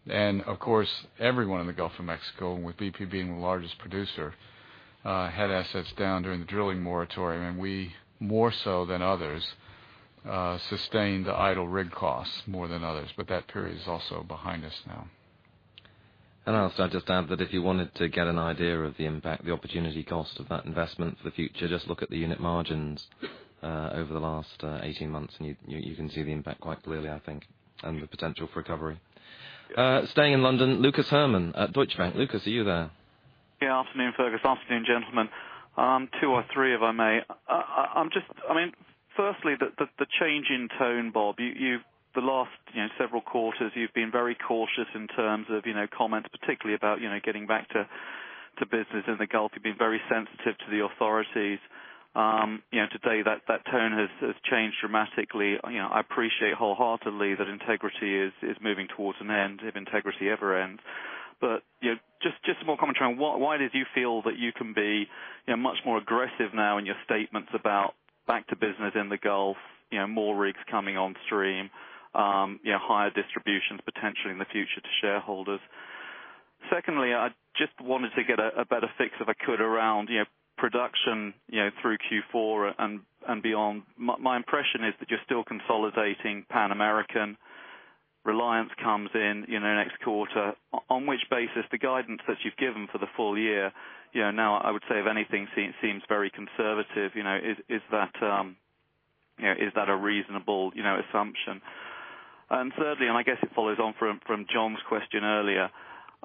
Of course, everyone in the Gulf of Mexico, with BP being the largest producer, had assets down during the drilling moratorium. We, more so than others, sustained the idle rig costs more than others. That period is also behind us now. I'll just add that if you wanted to get an idea of the impact, the opportunity cost of that investment for the future, just look at the unit margins over the last 18 months, and you can see the impact quite clearly, I think, and the potential for recovery. Staying in London, Lucas Herrmann at Deutsche Bank. Lucas, are you there? Yeah, afternoon, Fergus. Afternoon, gentlemen, to all three, if I may. I'm just, I mean, firstly, the change in tone, Bob. The last several quarters, you've been very cautious in terms of comments, particularly about getting back to business in the Gulf. You've been very sensitive to the authorities. Today, that tone has changed dramatically. I appreciate wholeheartedly that integrity is moving towards an end if integrity ever ends. Just some more commentary on why did you feel that you can be much more aggressive now in your statements about back to business in the Gulf, more rigs coming on stream, higher distributions potentially in the future to shareholders. Secondly, I just wanted to get a better fix, if I could, around production through Q4 and beyond. My impression is that you're still consolidating Pan American. Reliance comes in next quarter. On which basis? The guidance that you've given for the full year, now I would say, if anything, seems very conservative. Is that a reasonable assumption? Thirdly, and I guess it follows on from John's question earlier,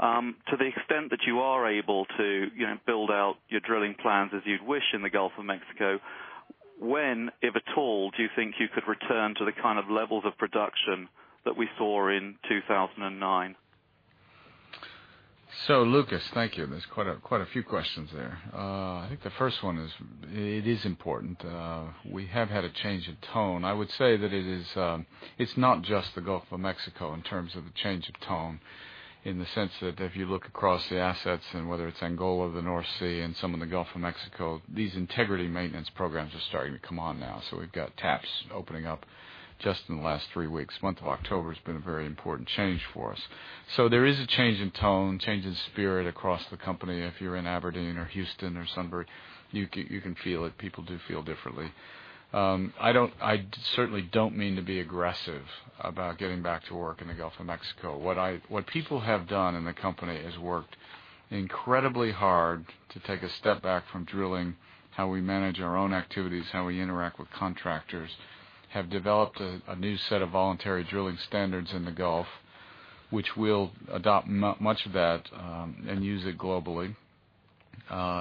to the extent that you are able to build out your drilling plans as you'd wish in the Gulf of Mexico, when, if at all, do you think you could return to the kind of levels of production that we saw in 2009? Lucas, thank you. There are quite a few questions there. I think the first one is important. We have had a change in tone. I would say that it's not just the Gulf of Mexico in terms of the change of tone in the sense that if you look across the assets, whether it's Angola, the North Sea, and some in the Gulf of Mexico, these integrity maintenance programs are starting to come on now. We've got TAPs opening up just in the last three weeks. The month of October has been a very important change for us. There is a change in tone, a change in spirit across the company. If you're in Aberdeen or Houston or Sunbury, you can feel it. People do feel differently. I certainly don't mean to be aggressive about getting back to work in the Gulf of Mexico. What people have done in the company is worked incredibly hard to take a step back from drilling, how we manage our own activities, how we interact with contractors, have developed a new set of voluntary drilling standards in the Gulf, which we'll adopt much of and use globally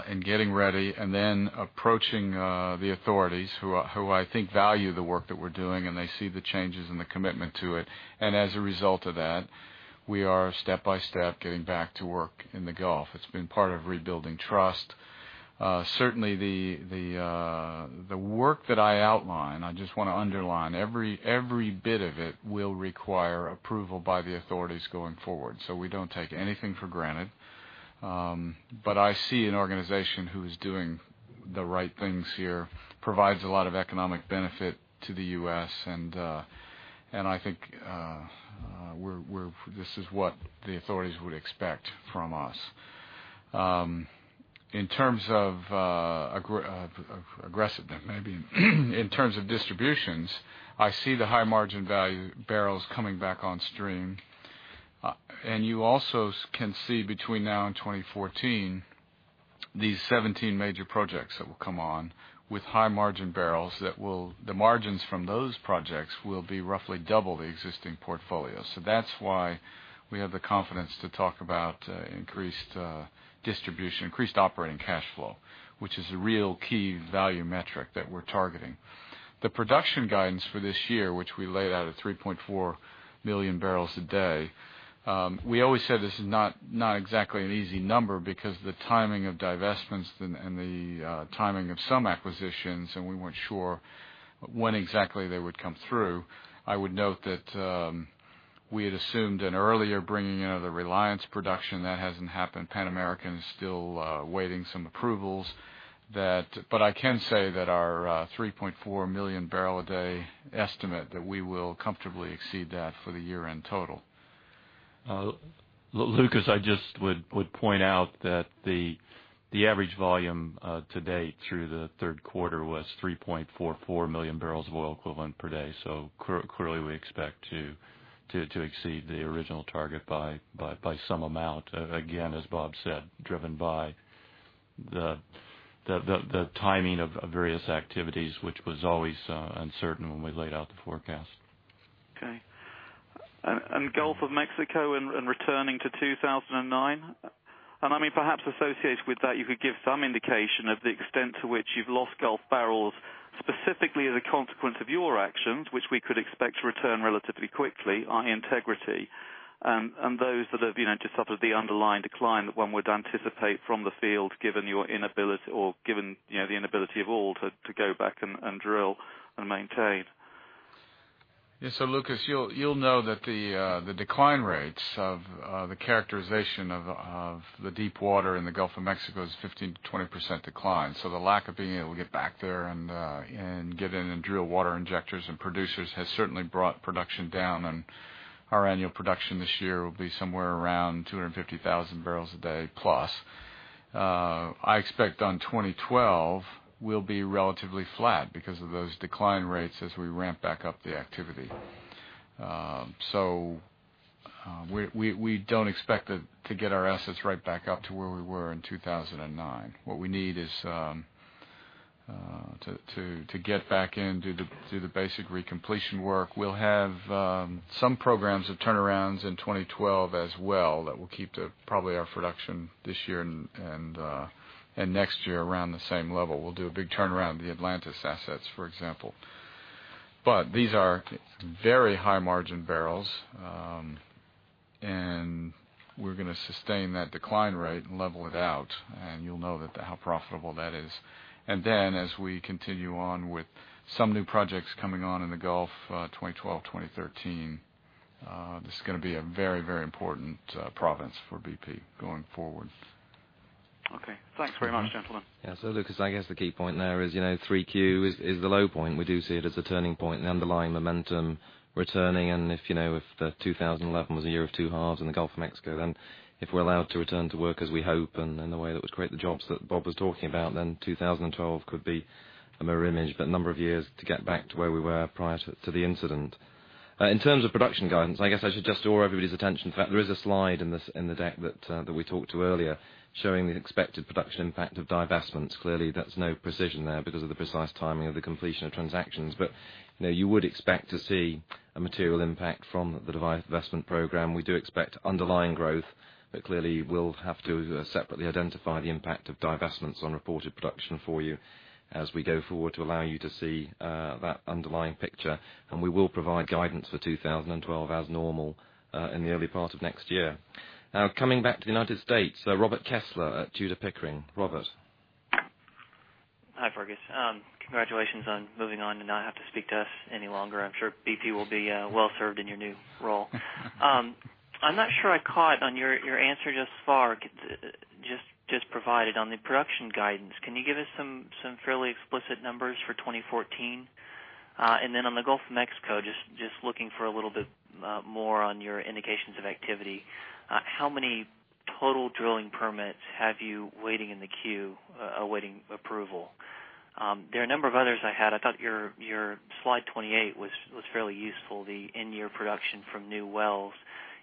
in getting ready. Approaching the authorities, who I think value the work that we're doing, they see the changes and the commitment to it. As a result of that, we are step by step getting back to work in the Gulf. It's been part of rebuilding trust. Certainly, the work that I outline, I just want to underline, every bit of it will require approval by the authorities going forward. We don't take anything for granted. I see an organization who is doing the right things here, provides a lot of economic benefit to the U.S. I think this is what the authorities would expect from us. In terms of aggressive, that may be in terms of distributions, I see the high margin value barrels coming back on stream. You also can see between now and 2014, these 17 major projects that will come on with high margin barrels, the margins from those projects will be roughly double the existing portfolio. That's why we have the confidence to talk about increased distribution, increased operating cash flow, which is a real key value metric that we're targeting. The production guidance for this year, which we laid out at 3.4 bbls millio a day, we always said this is not exactly an easy number because the timing of divestments and the timing of some acquisitions, and we weren't sure when exactly they would come through. I would note that we had assumed an earlier bringing in of the Reliance production. That hasn't happened. Pan American is still awaiting some approvals. I can say that our 3.4 bbls million a day estimate, we will comfortably exceed that for the year in total. Lucas, I just would point out that the average volume to date through the third quarter was 3.44 bbls million of oil equivalent per day. Clearly, we expect to exceed the original target by some amount. As Bob said, driven by the timing of various activities, which was always uncertain when we laid out the forecast. Okay. Gulf of Mexico and returning to 2009. Perhaps associated with that, you could give some indication of the extent to which you've lost Gulf barrels specifically as a consequence of your actions, which we could expect to return relatively quickly, i.e., integrity, and those that have just suffered the underlying decline that one would anticipate from the field, given your inability or given the inability of all to go back and drill and maintain. Yeah. Lucas, you'll know that the decline rates of the characterization of the deep water in the Gulf of Mexico is 15%-20% decline. The lack of being able to get back there and get in and drill water injectors and producers has certainly brought production down. Our annual production this year will be somewhere around 250,000 bbls a day plus. I expect on 2012, we'll be relatively flat because of those decline rates as we ramp back up the activity. We don't expect to get our assets right back up to where we were in 2009. What we need is to get back in, do the basic recompletion work. We'll have some programs of turnarounds in 2012 as well that will keep probably our production this year and next year around the same level. We'll do a big turnaround in the Atlantis assets, for example. These are very high margin barrels. We're going to sustain that decline rate and level it out. You'll know how profitable that is. As we continue on with some new projects coming on in the Gulf, 2012, 2013, this is going to be a very, very important province for BP going forward. Okay, thanks very much, gentlemen. Yeah. Lucas, I guess the key point there is 3Q is the low point. We do see it as a turning point, the underlying momentum returning. If 2011 was a year of two halves in the Gulf of Mexico, if we're allowed to return to work as we hope and in the way that would create the jobs that Bob was talking about, 2012 could be a mirror image, but it will take a number of years to get back to where we were prior to the incident. In terms of production guidance, I should just draw everybody's attention to that. There is a slide in the deck that we talked to earlier showing the expected production impact of divestments. Clearly, there's no precision there because of the precise timing of the completion of transactions. You would expect to see a material impact from the divestment program. We do expect underlying growth, but clearly, we'll have to separately identify the impact of divestments on reported production for you as we go forward to allow you to see that underlying picture. We will provide guidance for 2012 as normal in the early part of next year. Now, coming back to the United States, Robert Kessler at Tudor Pickering. Robert. Hi, Fergus. Congratulations on moving on to not have to speak to us any longer. I'm sure BP will be well-served in your new role. I'm not sure I caught on your answer thus far, just provided on the production guidance. Can you give us some fairly explicit numbers for 2014? On the Gulf of Mexico, just looking for a little bit more on your indications of activity, how many total drilling permits have you waiting in the queue awaiting approval? There are a number of others I had. I thought your slide 28 was fairly useful, the in-year production from new wells.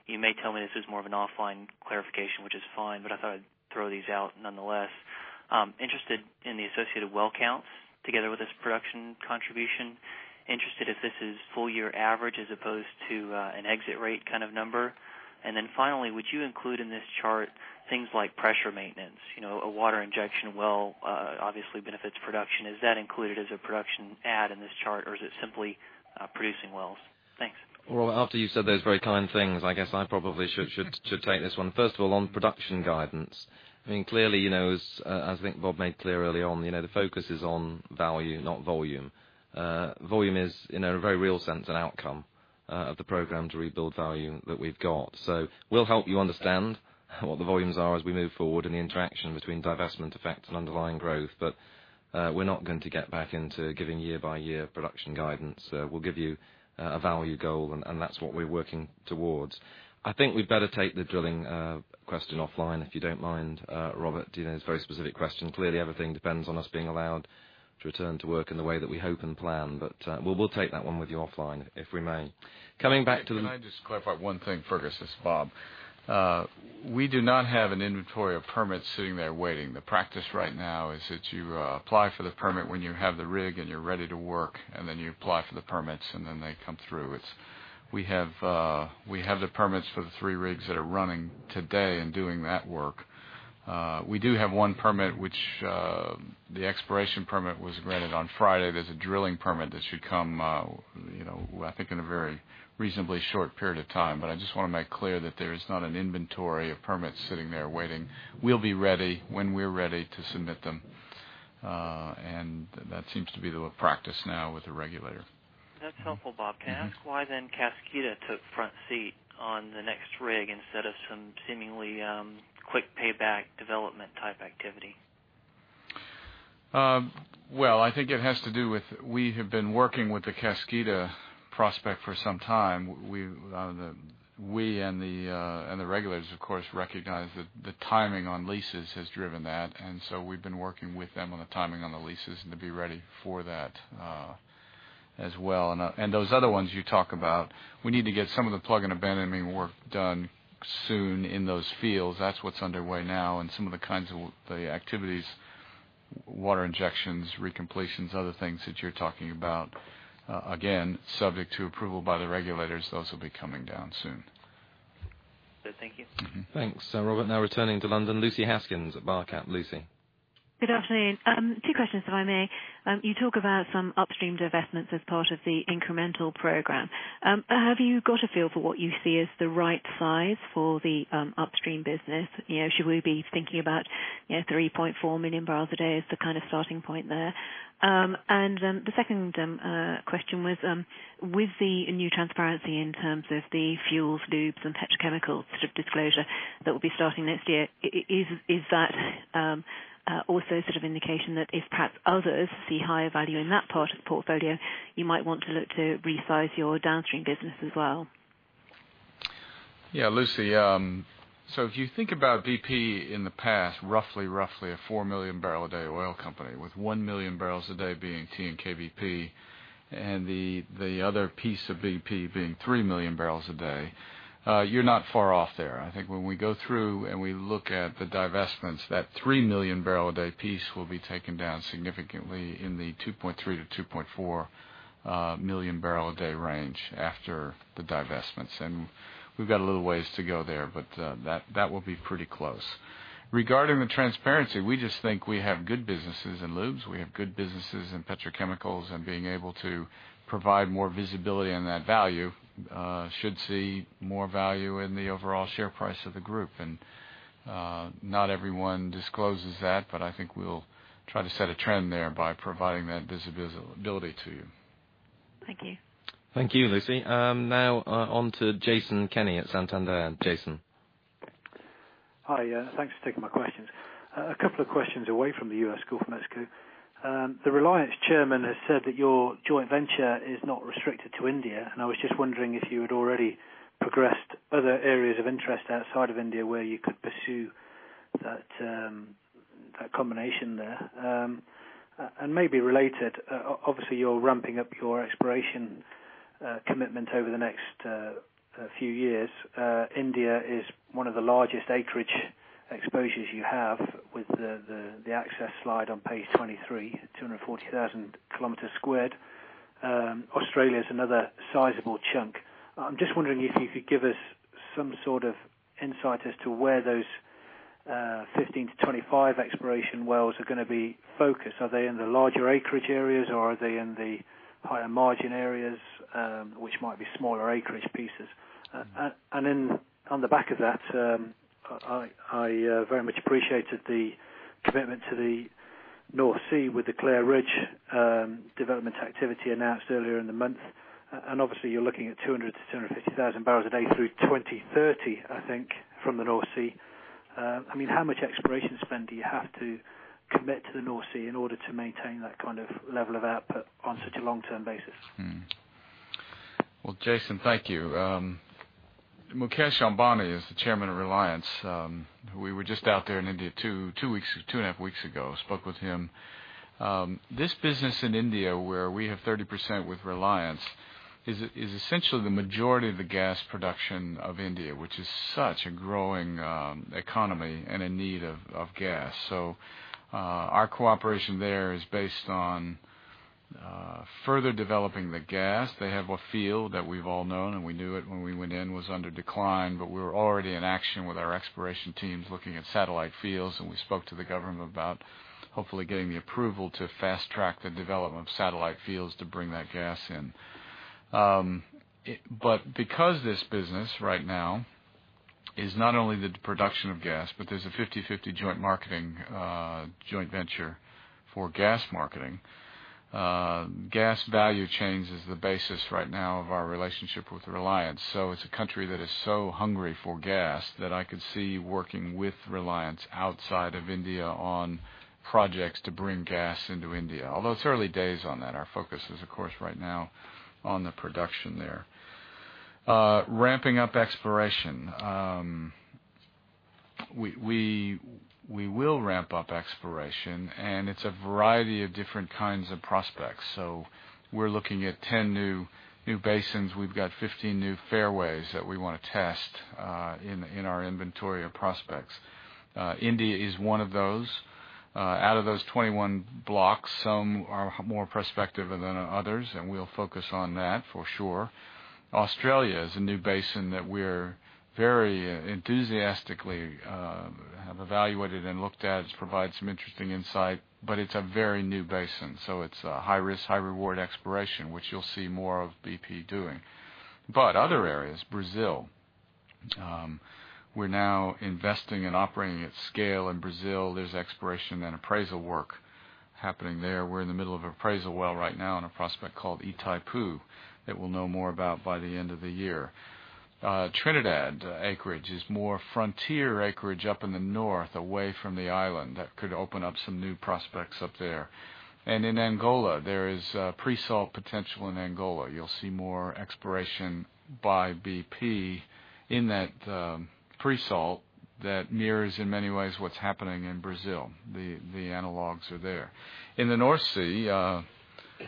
You may tell me this is more of an offline clarification, which is fine, but I thought I'd throw these out nonetheless. Interested in the associated well counts together with this production contribution. Interested if this is full-year average as opposed to an exit rate kind of number. Finally, would you include in this chart things like pressure maintenance? You know, a water injection well obviously benefits production. Is that included as a production add in this chart, or is it simply producing wells? Thanks. After you said those very kind things, I guess I probably should take this one. First of all, on production guidance, clearly, as I think Bob made clear early on, the focus is on value, not volume. Volume is, in a very real sense, an outcome of the program to rebuild value that we've got. We'll help you understand what the volumes are as we move forward and the interaction between divestment effect and underlying growth. We're not going to get back into giving year-by-year production guidance. We'll give you a value goal, and that's what we're working towards. I think we'd better take the drilling question offline, if you don't mind, Robert. It's a very specific question. Clearly, everything depends on us being allowed to return to work in the way that we hope and plan. We'll take that one with you offline, if we may. Coming back to the. Can I just clarify one thing, Fergus? It's Bob. We do not have an inventory of permits sitting there waiting. The practice right now is that you apply for the permit when you have the rig and you're ready to work, and then you apply for the permits, and then they come through. We have the permits for the three rigs that are running today and doing that work. We do have one permit, which the expiration permit was granted on Friday. There's a drilling permit that should come, I think, in a very reasonably short period of time. I just want to make clear that there is not an inventory of permits sitting there waiting. We'll be ready when we're ready to submit them. That seems to be the practice now with the regulator. That's helpful, Bob. Can I ask why then Cascada took front seat on the next rig instead of some seemingly quick payback development type activity? I think it has to do with we have been working with the Cascada prospect for some time. We and the regulators, of course, recognize that the timing on leases has driven that. We have been working with them on the timing on the leases to be ready for that as well. Those other ones you talk about, we need to get some of the plug and abandoning work done soon in those fields. That's what's underway now. Some of the kinds of the activities, water injections, recompletions, other things that you're talking about, again, subject to approval by the regulators, those will be coming down soon. Good, thank you. Thanks, Robert. Now returning to London, Lucy Haskins at Barclays Bank. Lucy. Good afternoon. Two questions, if I may. You talk about some upstream divestments as part of the incremental program. Have you got a feel for what you see as the right size for the upstream business? Should we be thinking about 3.4 bbls million a day as the kind of starting point there? The second question was, with the new transparency in terms of the fuels, lubes, and petrochemicals sort of disclosure that will be starting next year, is that also sort of an indication that if perhaps others see higher value in that part of the portfolio, you might want to look to resize your downstream business as well? Yeah, Lucy. If you think about BP in the past, roughly a 4 bbls million a day oil company, with 1 million barrels a day being TNK-BP and the other piece of BP being 3 bbls million a day, you're not far off there. I think when we go through and we look at the divestments, that 3 million barrel a day piece will be taken down significantly in the 2.3 bbls million-2.4 bbls million a day range after the divestments. We've got a little ways to go there, but that will be pretty close. Regarding the transparency, we just think we have good businesses in lubes. We have good businesses in petrochemicals, and being able to provide more visibility in that value should see more value in the overall share price of the group. Not everyone discloses that, but I think we'll try to set a trend there by providing that visibility to you. Thank you. Thank you, Lucy. Now on to Jason Kenny at Santander. Jason? Hi, yeah. Thanks for taking my questions. A couple of questions away from the U.S. Gulf of Mexico. The Reliance chairman has said that your joint venture is not restricted to India. I was just wondering if you had already progressed other areas of interest outside of India where you could pursue that combination there. Maybe related, obviously, you're ramping up your exploration commitment over the next few years. India is one of the largest acreage exposures you have with the access slide on page 23, 240,000 km sq. Australia is another sizable chunk. I'm just wondering if you could give us some sort of insight as to where those 15-25 exploration wells are going to be focused. Are they in the larger acreage areas, or are they in the higher margin areas, which might be smaller acreage pieces? On the back of that, I very much appreciated the commitment to the North Sea with the Clare Ridge development activity announced earlier in the month. Obviously, you're looking at 200,000 bbls-250,000 bbls a day through 2030, I think, from the North Sea. How much exploration spend do you have to commit to the North Sea in order to maintain that kind of level of output on such a long-term basis? Jason, thank you. Mukesh Ambani is the Chairman of Reliance. We were just out there in India two weeks, two and a half weeks ago. Spoke with him. This business in India, where we have 30% with Reliance, is essentially the majority of the gas production of India, which is such a growing economy and a need of gas. Our cooperation there is based on further developing the gas. They have a field that we've all known, and we knew it when we went in was under decline, but we were already in action with our exploration teams looking at satellite fields. We spoke to the government about hopefully getting the approval to fast-track the development of satellite fields to bring that gas in. Because this business right now is not only the production of gas, but there's a 50-50 joint marketing joint venture for gas marketing. Gas value changes the basis right now of our relationship with Reliance. It's a country that is so hungry for gas that I could see working with Reliance outside of India on projects to bring gas into India. Although it's early days on that, our focus is, of course, right now on the production there. Ramping up exploration. We will ramp up exploration, and it's a variety of different kinds of prospects. We're looking at 10 new basins. We've got 15 new fairways that we want to test in our inventory of prospects. India is one of those. Out of those 21 blocks, some are more prospective than others, and we'll focus on that for sure. Australia is a new basin that we very enthusiastically have evaluated and looked at. It's provided some interesting insight, but it's a very new basin. It's a high-risk, high-reward exploration, which you'll see more of BP doing. Other areas, Brazil. We're now investing and operating at scale in Brazil. There's exploration and appraisal work happening there. We're in the middle of an appraisal well right now in a prospect called Itaipu that we'll know more about by the end of the year. Trinidad acreage is more frontier acreage up in the north, away from the island. That could open up some new prospects up there. In Angola, there is a pre-salt potential in Angola. You'll see more exploration by BP in that pre-salt that mirrors, in many ways, what's happening in Brazil. The analogs are there. In the North Sea,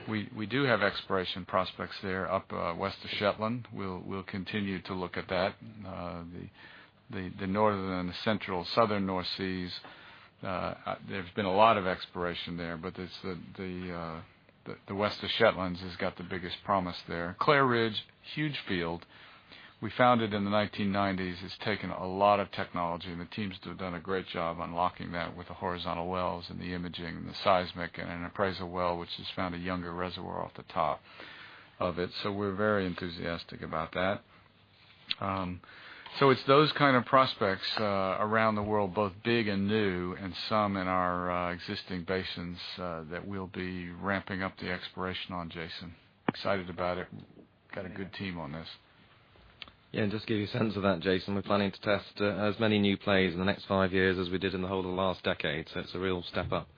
we do have exploration prospects there up west of Shetland. We'll continue to look at that. The northern and the central, southern North Seas, there's been a lot of exploration there, but the west of Shetlands has got the biggest promise there. Clair Ridge, huge field. We found it in the 1990s. It's taken a lot of technology, and the teams have done a great job unlocking that with the horizontal wells and the imaging and the seismic and an appraisal well, which has found a younger reservoir off the top of it. We're very enthusiastic about that. It's those kind of prospects around the world, both big and new, and some in our existing basins that we'll be ramping up the exploration on, Jason. Excited about it. Got a good team on this. Yeah, and just to give you a sense of that, Jason, we're planning to test as many new plays in the next five years as we did in the whole of the last decade. It is a real step up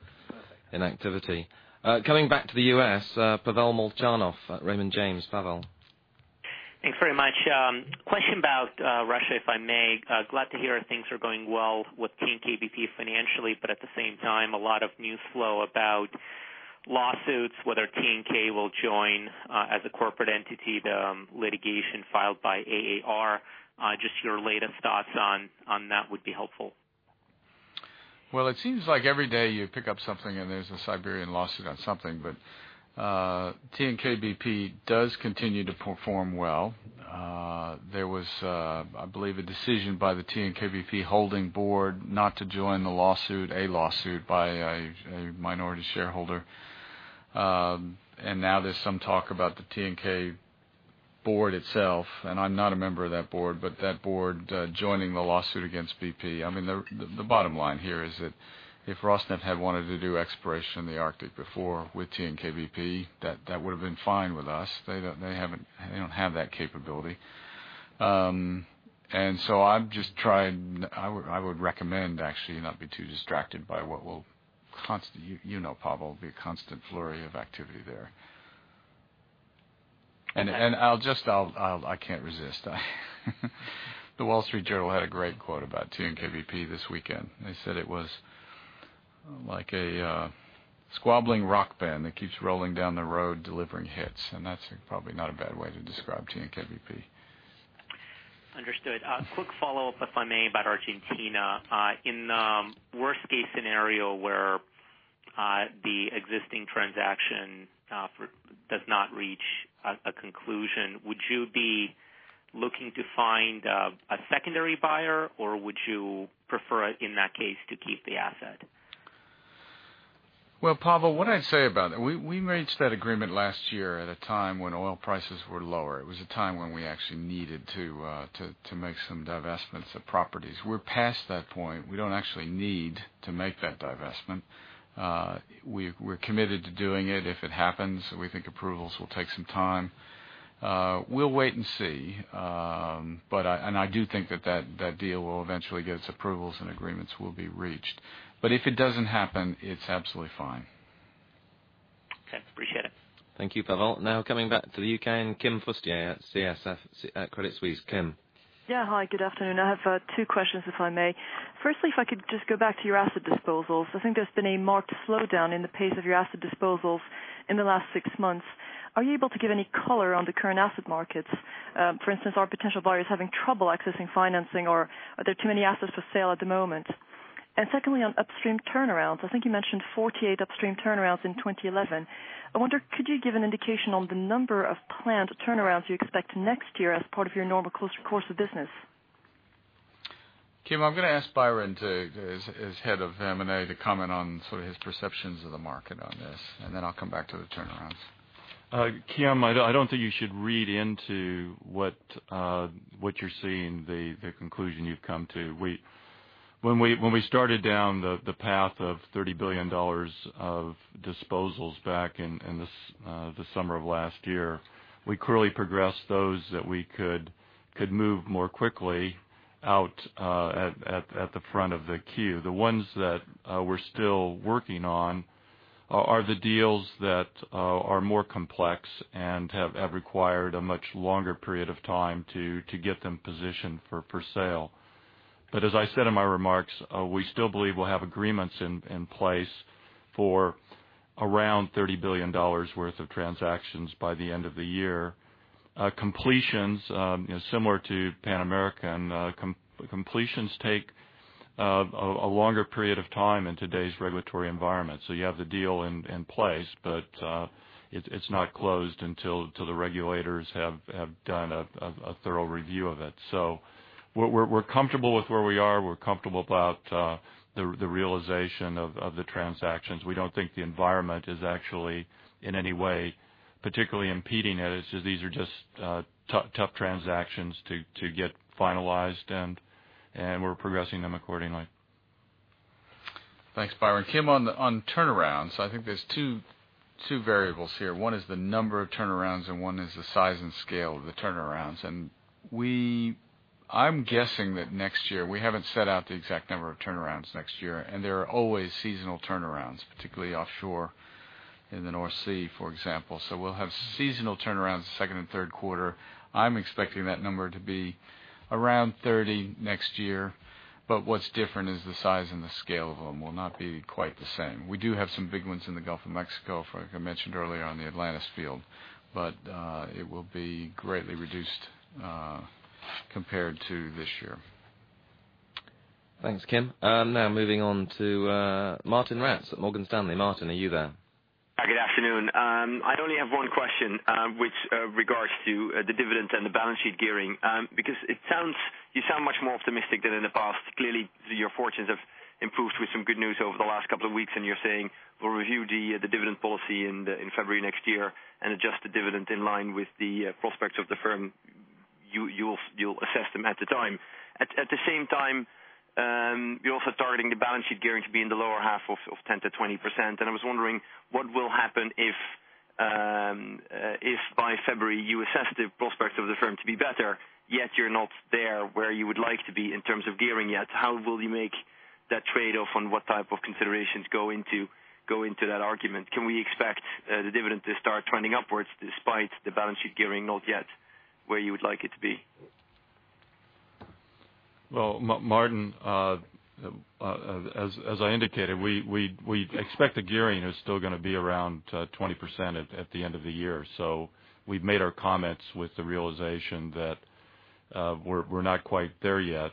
in activity. Coming back to the U.S., Pavel Molchanov, Raymond James. Pavel. Thanks very much. Question about Russia, if I may. Glad to hear things are going well with TNK-BP financially, but at the same time, a lot of news flow about lawsuits, whether TNK will join as a corporate entity, the litigation filed by AAR. Just your latest thoughts on that would be helpful. It seems like every day you pick up something and there's a Siberian lawsuit on something, but TNK-BP does continue to perform well. There was, I believe, a decision by the TNK-BP holding board not to join the lawsuit, a lawsuit by a minority shareholder. Now there's some talk about the TNK board itself, and I'm not a member of that board, but that board joining the lawsuit against BP. The bottom line here is that if Rosneft had wanted to do exploration in the Arctic before with TNK-BP, that would have been fine with us. They don't have that capability. I'm just trying, I would recommend actually not be too distracted by what will, you know, Pavel, be a constant flurry of activity there. I can't resist. The Wall Street Journal had a great quote about TNK-BP this weekend. They said it was like a squabbling rock band that keeps rolling down the road delivering hits. That's probably not a bad way to describe TNK-BP. Understood. Quick follow-up, if I may, about Argentina. In the worst-case scenario where the existing transaction does not reach a conclusion, would you be looking to find a secondary buyer, or would you prefer in that case to keep the asset? Pavel, what I'd say about that is we reached that agreement last year at a time when oil prices were lower. It was a time when we actually needed to make some divestments of properties. We're past that point. We don't actually need to make that divestment. We're committed to doing it if it happens. We think approvals will take some time. We'll wait and see. I do think that deal will eventually get its approvals and agreements will be reached. If it doesn't happen, it's absolutely fine. Okay, appreciate it. Thank you, Pavel. Now coming back to the U.K. and Kim Fustier at Credit Suisse. Kim. Yeah, hi. Good afternoon. I have two questions, if I may. Firstly, if I could just go back to your asset disposals. I think there's been a marked slowdown in the pace of your asset disposals in the last six months. Are you able to give any color on the current asset markets? For instance, are potential buyers having trouble accessing financing, or are there too many assets for sale at the moment? Secondly, on upstream turnarounds, I think you mentioned 48 upstream turnarounds in 2011. I wonder, could you give an indication on the number of planned turnarounds you expect next year as part of your normal course of business? Kim, I'm going to ask Byron, as Head of M&A, to comment on sort of his perceptions of the market on this. Then I'll come back to the turnarounds. Kim, I don't think you should read into what you're seeing, the conclusion you've come to. When we started down the path of $30 billion of disposals back in the summer of last year, we clearly progressed those that we could move more quickly out at the front of the queue. The ones that we're still working on are the deals that are more complex and have required a much longer period of time to get them positioned for sale. As I said in my remarks, we still believe we'll have agreements in place for around $30 billion worth of transactions by the end of the year. Completions, similar to Pan American, take a longer period of time in today's regulatory environment. You have the deal in place, but it's not closed until the regulators have done a thorough review of it. We're comfortable with where we are. We're comfortable about the realization of the transactions. We don't think the environment is actually in any way particularly impeding it. These are just tough transactions to get finalized, and we're progressing them accordingly. Thanks, Byron. Kim, on turnarounds, I think there's two variables here. One is the number of turnarounds, and one is the size and scale of the turnarounds. I'm guessing that next year, we haven't set out the exact number of turnarounds next year, and there are always seasonal turnarounds, particularly offshore in the North Sea, for example. We'll have seasonal turnarounds second and third quarter. I'm expecting that number to be around 30 next year. What's different is the size and the scale of them will not be quite the same. We do have some big ones in the Gulf of Mexico, like I mentioned earlier on the Atlantis Field, but it will be greatly reduced compared to this year. Thanks, Kim. Now moving on to Martijn Rats at Morgan Stanley. Martijn, are you there? Good afternoon. I'd only have one question, which regards to the dividend and the balance sheet gearing, because you sound much more optimistic than in the past. Clearly, your fortunes have improved with some good news over the last couple of weeks, and you're saying we'll review the dividend policy in February next year and adjust the dividend in line with the prospects of the firm. You'll assess them at the time. At the same time, you're also targeting the balance sheet gearing to be in the lower half of 10%-20%. I was wondering what will happen if by February you assess the prospects of the firm to be better, yet you're not there where you would like to be in terms of gearing yet. How will you make that trade-off on what type of considerations go into that argument? Can we expect the dividend to start trending upwards despite the balance sheet gearing not yet where you would like it to be? Martin, as I indicated, we expect the gearing is still going to be around 20% at the end of the year. We've made our comments with the realization that we're not quite there yet.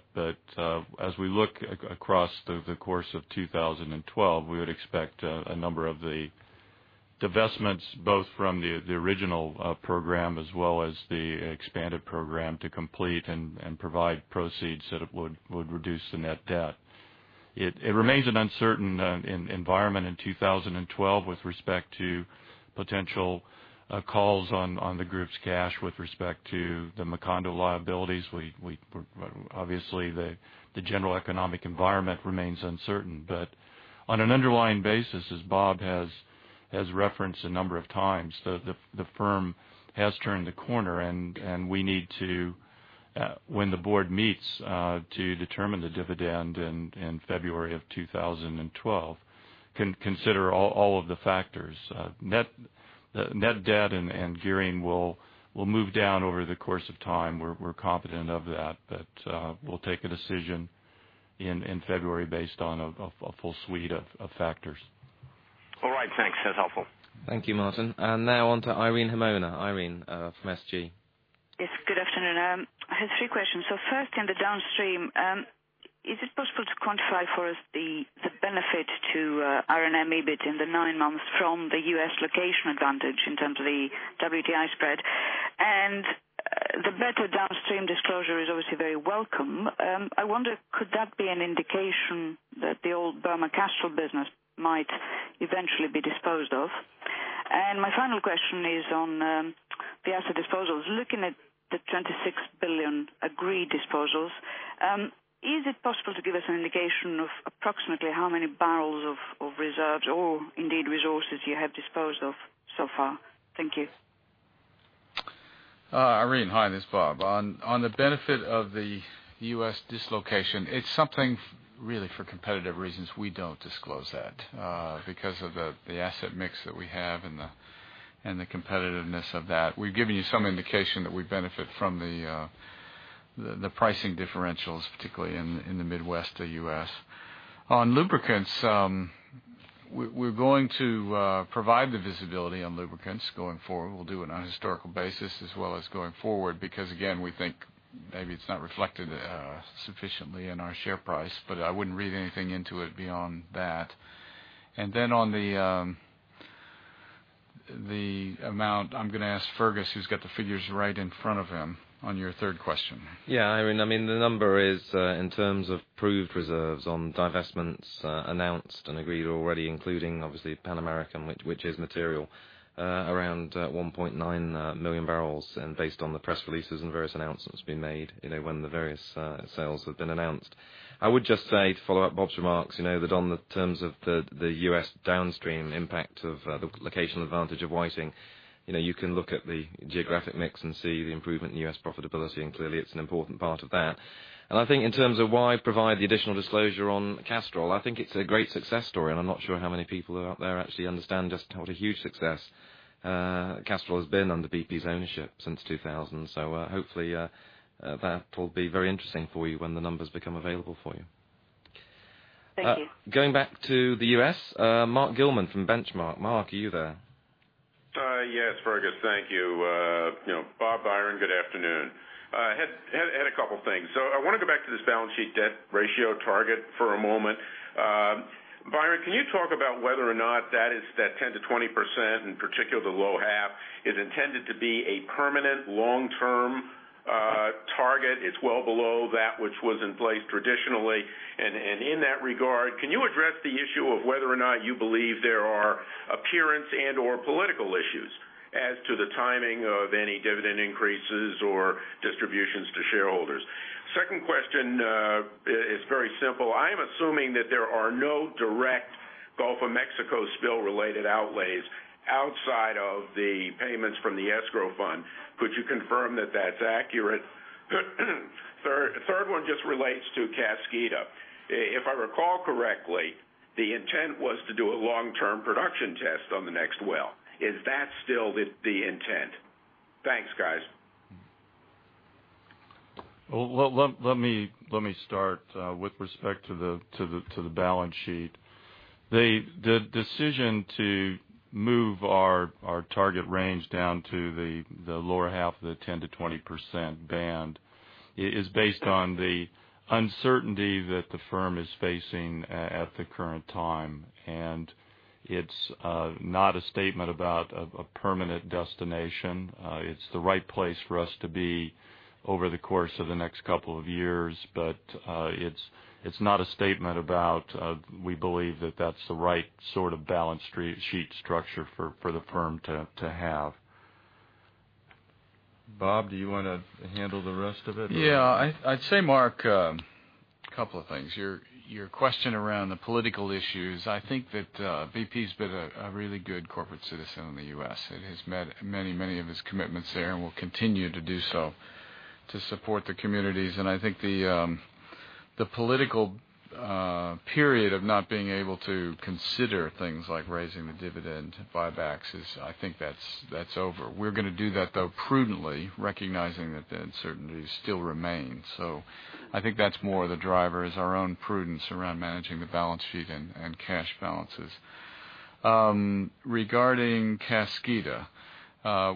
As we look across the course of 2012, we would expect a number of the divestments both from the original program as well as the expanded program to complete and provide proceeds that would reduce the net debt. It remains an uncertain environment in 2012 with respect to potential calls on the group's cash with respect to the Macondo liabilities. Obviously, the general economic environment remains uncertain. On an underlying basis, as Bob has referenced a number of times, the firm has turned the corner. We need to, when the board meets, determine the dividend in February of 2012, consider all of the factors. Net debt and gearing will move down over the course of time. We're confident of that. We'll take a decision in February based on a full suite of factors. All right. Thanks. That's helpful. Thank you, Martin. Now on to Irene Himona. Irene from SG. Yes, good afternoon. I have three questions. First, in the downstream, is it possible to quantify for us the benefit to R&M EBIT in the nine months from the U.S. location advantage in terms of the WTI spread? The better downstream disclosure is obviously very welcome. I wonder, could that be an indication that the old Burmah-Castrol business might eventually be disposed of? My final question is on the asset disposals. Looking at the $26 billion agreed disposals, is it possible to give us an indication of approximately how many barrels of reserves or indeed resources you have disposed of so far? Thank you. Irene, hi. This is Bob. On the benefit of the U.S. dislocation, it's something really for competitive reasons. We don't disclose that because of the asset mix that we have and the competitiveness of that. We've given you some indication that we benefit from the pricing differentials, particularly in the Midwest of the U.S. On lubricants, we're going to provide the visibility on lubricants going forward. We'll do it on a historical basis as well as going forward because, again, we think maybe it's not reflected sufficiently in our share price. I wouldn't read anything into it beyond that. On the amount, I'm going to ask Fergus, who's got the figures right in front of him, on your third question. Yeah. I mean, the number is in terms of approved reserves on divestments announced and agreed already, including obviously Pan American, which is material, around 1.9 bbls million. Based on the press releases and various announcements being made, when the various sales have been announced. I would just say to follow up Bob's remarks, that on the terms of the U.S. downstream impact of the location advantage of Whiting, you can look at the geographic mix and see the improvement in U.S. profitability. Clearly, it's an important part of that. I think in terms of why provide the additional disclosure on Castrol, I think it's a great success story. I'm not sure how many people who are out there actually understand just what a huge success Castrol has been under BP's ownership since 2000. Hopefully, that will be very interesting for you when the numbers become available for you. Going back to the U.S., Mark Gilman from Benchmark. Mark, are you there? Yes, Fergus. Thank you. You know, Bob, Byron, good afternoon. Had a couple of things. I want to go back to this balance sheet debt ratio target for a moment. Byron, can you talk about whether or not that 10%-20%, in particular the low half, is intended to be a permanent long-term target? It's well below that which was in place traditionally. In that regard, can you address the issue of whether or not you believe there are appearance and/or political issues as to the timing of any dividend increases or distributions to shareholders? Second question is very simple. I am assuming that there are no direct Gulf of Mexico spill-related outlays outside of the payments from the escrow fund. Could you confirm that that's accurate? Third one just relates to Cascada. If I recall correctly, the intent was to do a long-term production test on the next well. Is that still the intent? Thanks, guys. Let me start with respect to the balance sheet. The decision to move our target range down to the lower half of the 10%-20% band is based on the uncertainty that the firm is facing at the current time. It's not a statement about a permanent destination. It's the right place for us to be over the course of the next couple of years. It's not a statement about we believe that that's the right sort of balance sheet structure for the firm to have. Bob, do you want to handle the rest of it? Yeah. I'd say, Mark, a couple of things. Your question around the political issues, I think that BP has been a really good corporate citizen in the U.S. It has met many, many of its commitments there and will continue to do so to support the communities. I think the political period of not being able to consider things like raising the dividend buybacks is, I think that's over. We're going to do that, though, prudently, recognizing that the uncertainty still remains. I think that's more of the driver, our own prudence around managing the balance sheet and cash balances. Regarding Cascada,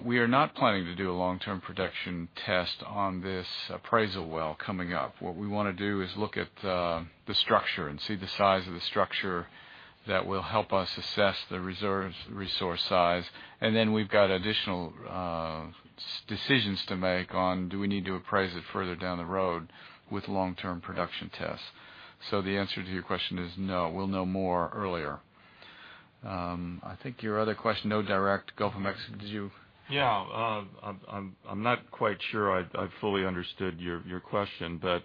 we are not planning to do a long-term production test on this appraisal well coming up. What we want to do is look at the structure and see the size of the structure that will help us assess the resource size. Then we've got additional decisions to make on do we need to appraise it further down the road with long-term production tests. The answer to your question is no. We'll know more earlier. I think your other question, no direct Gulf of Mexico. Did you Yeah. I'm not quite sure I fully understood your question, but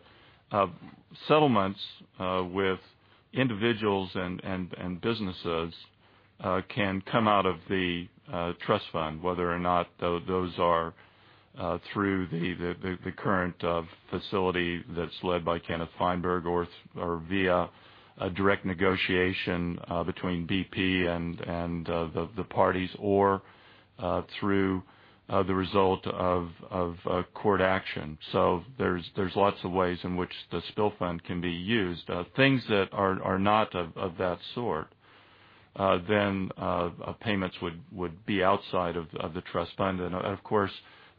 settlements with individuals and businesses can come out of the trust fund, whether or not those are through the current facility that's led by Kenneth Feinberg or via a direct negotiation between BP and the parties or through the result of court action. There are lots of ways in which the spill fund can be used. Things that are not of that sort, then payments would be outside of the trust fund. Of course,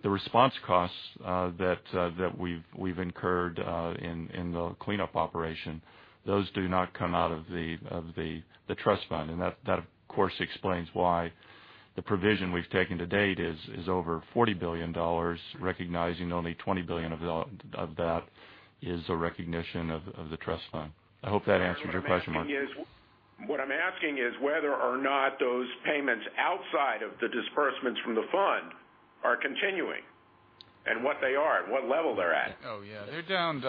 the response costs that we've incurred in the cleanup operation, those do not come out of the trust fund. That, of course, explains why the provision we've taken to date is over $40 billion, recognizing that only $20 billion of that is a recognition of the trust fund. I hope that answers your question, Mark. What I'm asking is whether or not those payments outside of the disbursements from the fund are continuing, what they are, and what level they're at. Oh, yeah. They're down.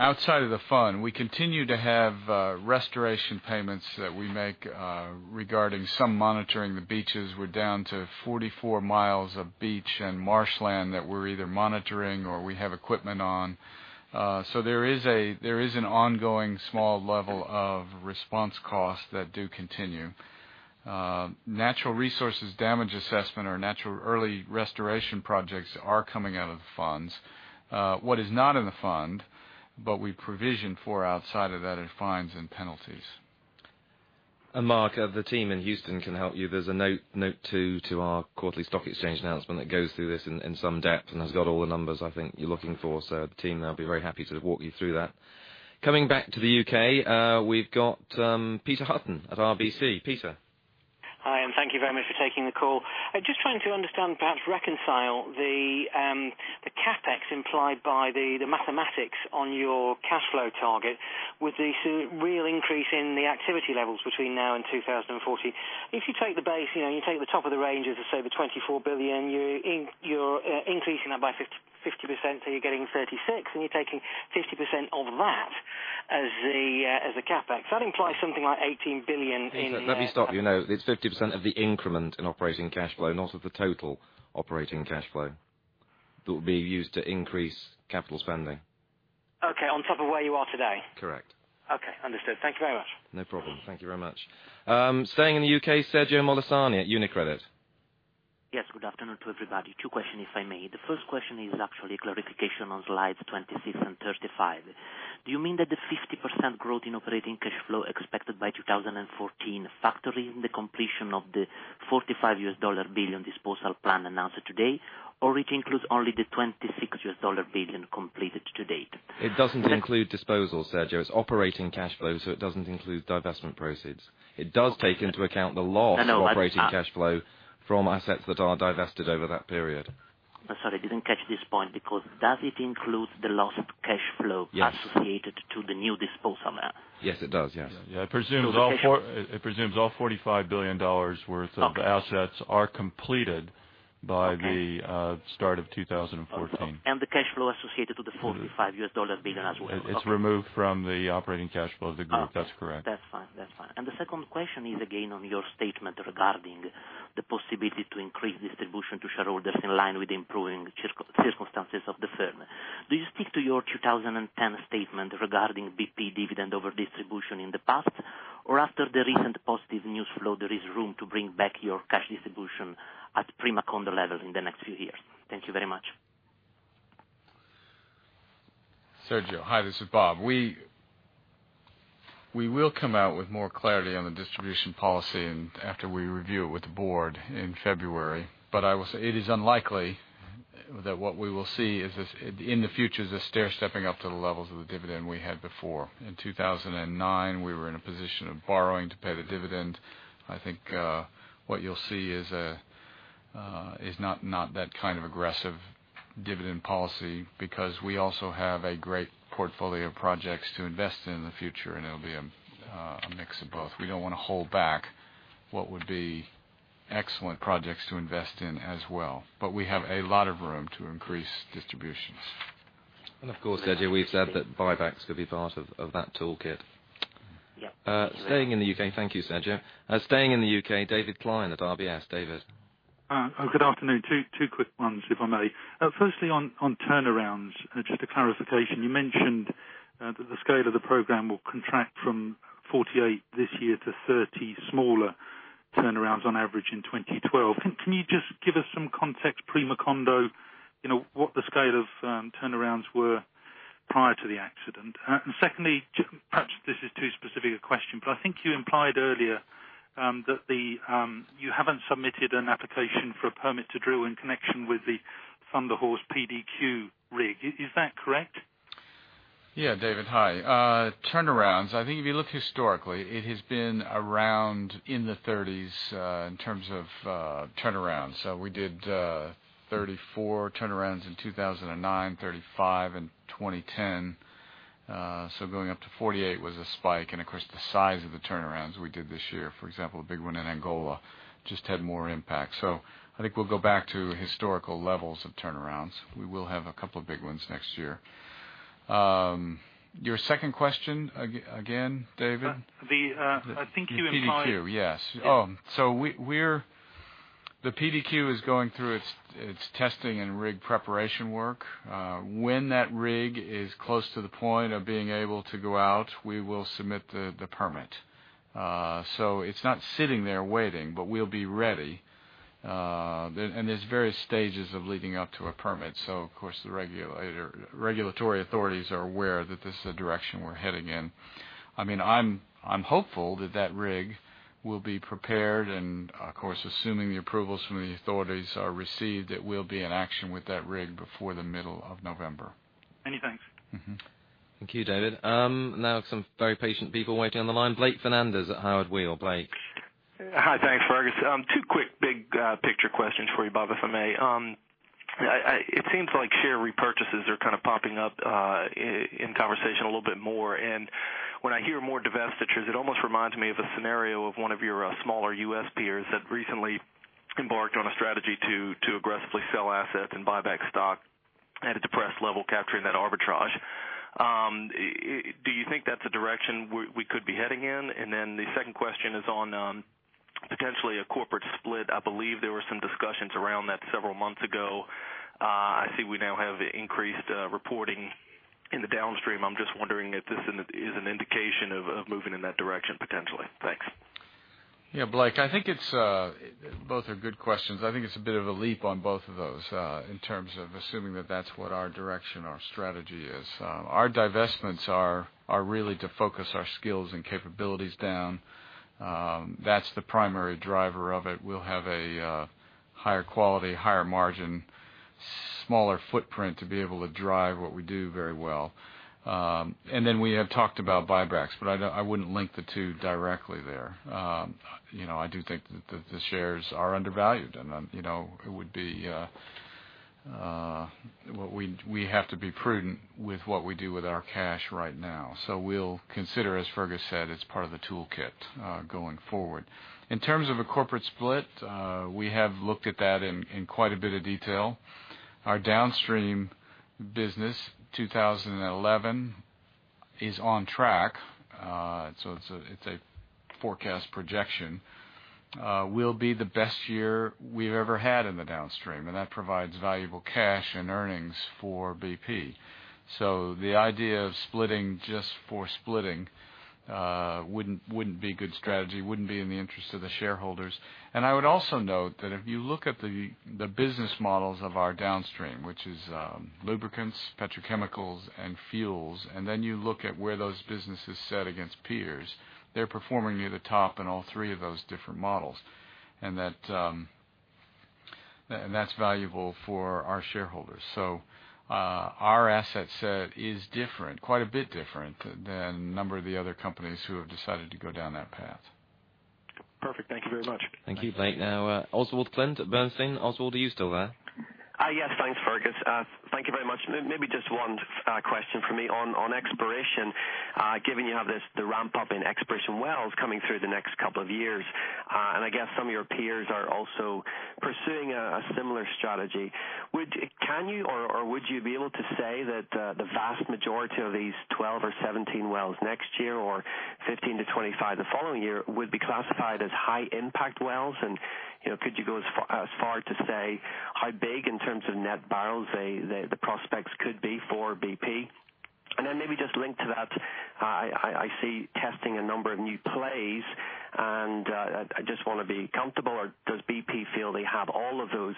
Outside of the fund, we continue to have restoration payments that we make regarding some monitoring the beaches. We're down to 44 mi of beach and marshland that we're either monitoring or we have equipment on. There is an ongoing small level of response costs that do continue. Natural resources damage assessment or natural early restoration projects are coming out of the funds. What is not in the fund, but we provision for outside of that, are fines and penalties. Mark, the team in Houston can help you. There's a note to our quarterly stock exchange announcement that goes through this in some depth and has got all the numbers I think you're looking for. The team there will be very happy to walk you through that. Coming back to the U.K., we've got Peter Hutton at RBC. Peter? Hi, and thank you very much for taking the call. I'm just trying to understand, perhaps reconcile the CapEx implied by the mathematics on your cash flow target with the real increase in the activity levels between now and 2040. If you take the base, you know, you take the top of the range, as I say, the $24 billion, you're increasing that by 50%. You're getting $36 billion, and you're taking 50% of that as the CapEx. That implies something like $18 billion in. Let me stop you. No, it's 50% of the increment in operating cash flow, not of the total operating cash flow, that would be used to increase capital spending. Okay, on top of where you are today? Correct. Okay, understood. Thank you very much. No problem. Thank you very much. Staying in the U.K., Sergio Molisani at UniCredit. Yes. Good afternoon to everybody. Two questions, if I may. The first question is actually a clarification on slides 26 and 35. Do you mean that the 50% growth in operating cash flow expected by 2014 factors in the completion of the $45 billion disposal plan announced today, or it includes only the $26 billion completed today? It doesn't include disposal, Sergio. It's operating cash flow, so it doesn't include divestment proceeds. It does take into account the loss of operating cash flow from assets that are divested over that period. Sorry, I didn't catch this point because does it include the lost cash flow associated to the new disposal now? Yes, it does. Yes. Yeah, I presumed all $45 billion worth of assets are completed by the start of 2014. The cash flow associated to the $45 billion as well. It's removed from the operating cash flow of the group. That's correct. That's fine. The second question is again on your statement regarding the possibility to increase distribution to shareholders in line with improving circumstances of the firm. Do you stick to your 2010 statement regarding BP dividend over distribution in the past, or after the recent positive news flow, is there room to bring back your cash distribution at prima condé level in the next few years? Thank you very much. Sergio, hi. This is Bob. We will come out with more clarity on the distribution policy after we review it with the board in February. I will say it is unlikely that what we will see in the future is a stair-stepping up to the levels of the dividend we had before. In 2009, we were in a position of borrowing to pay the dividend. I think what you'll see is not that kind of aggressive dividend policy because we also have a great portfolio of projects to invest in in the future, and it'll be a mix of both. We don't want to hold back what would be excellent projects to invest in as well. We have a lot of room to increase distributions. Of course, Sergio, we've said that buybacks could be part of that toolkit. Thank you, Sergio. Staying in the U.K., David Plyne at RBS. David. Good afternoon. Two quick ones, if I may. Firstly, on turnarounds, just a clarification. You mentioned that the scale of the program will contract from 48 this year to 30 smaller turnarounds on average in 2012. Can you just give us some context, prima facie, what the scale of turnarounds were prior to the accident? Secondly, perhaps this is too specific a question, but I think you implied earlier that you haven't submitted an application for a permit to drill in connection with the Thunder Horse PDQ rig. Is that correct? Yeah, David. Hi. Turnarounds, I think if you look historically, it has been around in the 30s in terms of turnarounds. We did 34 turnarounds in 2009, 35 in 2010. Going up to 48 was a spike. The size of the turnarounds we did this year, for example, the big one in Angola, just had more impact. I think we'll go back to historical levels of turnarounds. We will have a couple of big ones next year. Your second question, again, David? The PDQ, yes. Oh, the PDQ is going through its testing and rig preparation work. When that rig is close to the point of being able to go out, we will submit the permit. It's not sitting there waiting, but we'll be ready. There are various stages of leading up to a permit. The regulatory authorities are aware that this is a direction we're heading in. I'm hopeful that that rig will be prepared. Assuming the approvals from the authorities are received, we'll be in action with that rig before the middle of November. Many thanks. Thank you, David. Now, some very patient people waiting on the line. Blake Fernandez at Howard Weil. Blake. Hi, thanks, Fergus. Two quick big picture questions for you, Bob, if I may. It seems like share repurchases are kind of popping up in conversation a little bit more. When I hear more divestitures, it almost reminds me of a scenario of one of your smaller U.S. peers that recently embarked on a strategy to aggressively sell assets and buy back stock at a depressed level, capturing that arbitrage. Do you think that's a direction we could be heading in? The second question is on potentially a corporate split. I believe there were some discussions around that several months ago. I see we now have increased reporting in the downstream. I'm just wondering if this is an indication of moving in that direction potentially. Thanks. Yeah, Blake, I think both are good questions. I think it's a bit of a leap on both of those in terms of assuming that that's what our direction, our strategy is. Our divestments are really to focus our skills and capabilities down. That's the primary driver of it. We'll have a higher quality, higher margin, smaller footprint to be able to drive what we do very well. We have talked about buybacks, but I wouldn't link the two directly there. I do think that the shares are undervalued, and it would be what we have to be prudent with what we do with our cash right now. We'll consider, as Fergus said, it's part of the toolkit going forward. In terms of a corporate split, we have looked at that in quite a bit of detail. Our downstream business 2011 is on track. It's a forecast projection. We'll be the best year we've ever had in the downstream, and that provides valuable cash and earnings for BP. The idea of splitting just for splitting wouldn't be a good strategy, wouldn't be in the interest of the shareholders. I would also note that if you look at the business models of our downstream, which is lubricants, petrochemicals, and fuels, and then you look at where those businesses sit against peers, they're performing near the top in all three of those different models. That's valuable for our shareholders. Our asset set is different, quite a bit different than a number of the other companies who have decided to go down that path. Perfect. Thank you very much. Thank you, Blake. Now, Oswald Clint at Bernstein. Oswald, are you still there? Yes, thanks, Fergus. Thank you very much. Maybe just one question for me on exploration, given you have the ramp-up in exploration wells coming through the next couple of years. I guess some of your peers are also pursuing a similar strategy. Can you or would you be able to say that the vast majority of these 12 or 17 wells next year or 15-25 the following year would be classified as high-impact wells? Could you go as far to say how big in terms of net barrels the prospects could be for BP? Maybe just linked to that, I see testing a number of new plays, and I just want to be comfortable. Does BP feel they have all of those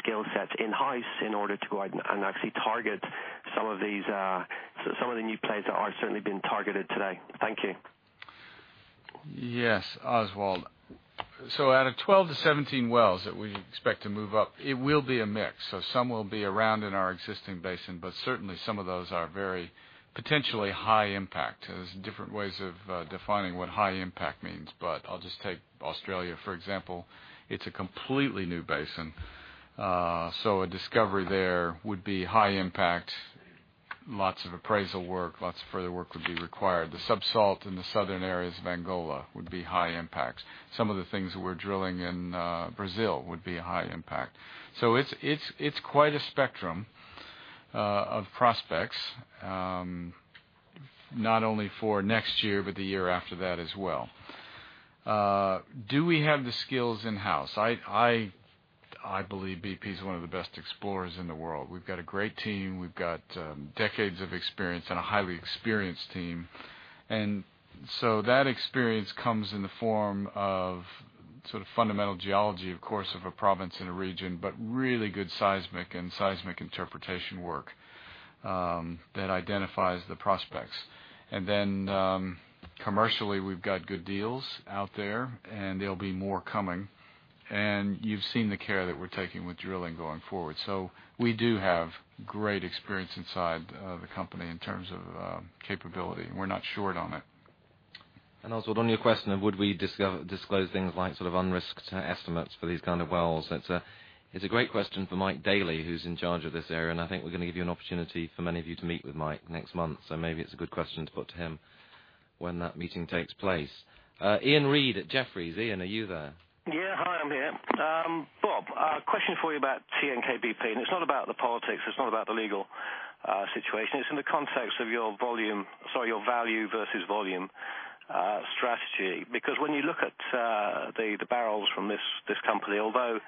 skill sets in house in order to go out and actually target some of these new plays that are certainly being targeted today? Thank you. Yes, Oswald. Out of 12-17 wells that we expect to move up, it will be a mix. Some will be around in our existing basin, but certainly some of those are very potentially high-impact. There are different ways of defining what high-impact means. I'll just take Australia, for example. It's a completely new basin, so a discovery there would be high-impact. Lots of appraisal work and lots of further work would be required. The sub-salt in the southern areas of Angola would be high-impact. Some of the things that we're drilling in Brazil would be high-impact. It's quite a spectrum of prospects, not only for next year, but the year after that as well. Do we have the skills in-house? I believe BP is one of the best explorers in the world. We've got a great team. We've got decades of experience and a highly experienced team. That experience comes in the form of fundamental geology, of course, of a province in a region, but really good seismic and seismic interpretation work that identifies the prospects. Commercially, we've got good deals out there, and there will be more coming. You've seen the care that we're taking with drilling going forward. We do have great experience inside the company in terms of capability. We're not short on it. Oswald, on your question of would we disclose things like sort of unrisked estimates for these kind of wells, it's a great question for Mike Daly, who's in charge of this area. I think we're going to give you an opportunity for many of you to meet with Mike next month. Maybe it's a good question to put to him when that meeting takes place. Ian Reed at Jefferies. Ian, are you there? Yeah, hi. I'm here. Bob, a question for you about TNK-BP. It's not about the politics. It's not about the legal situation. It's in the context of your value versus volume strategy. When you look at the barrels from this company, although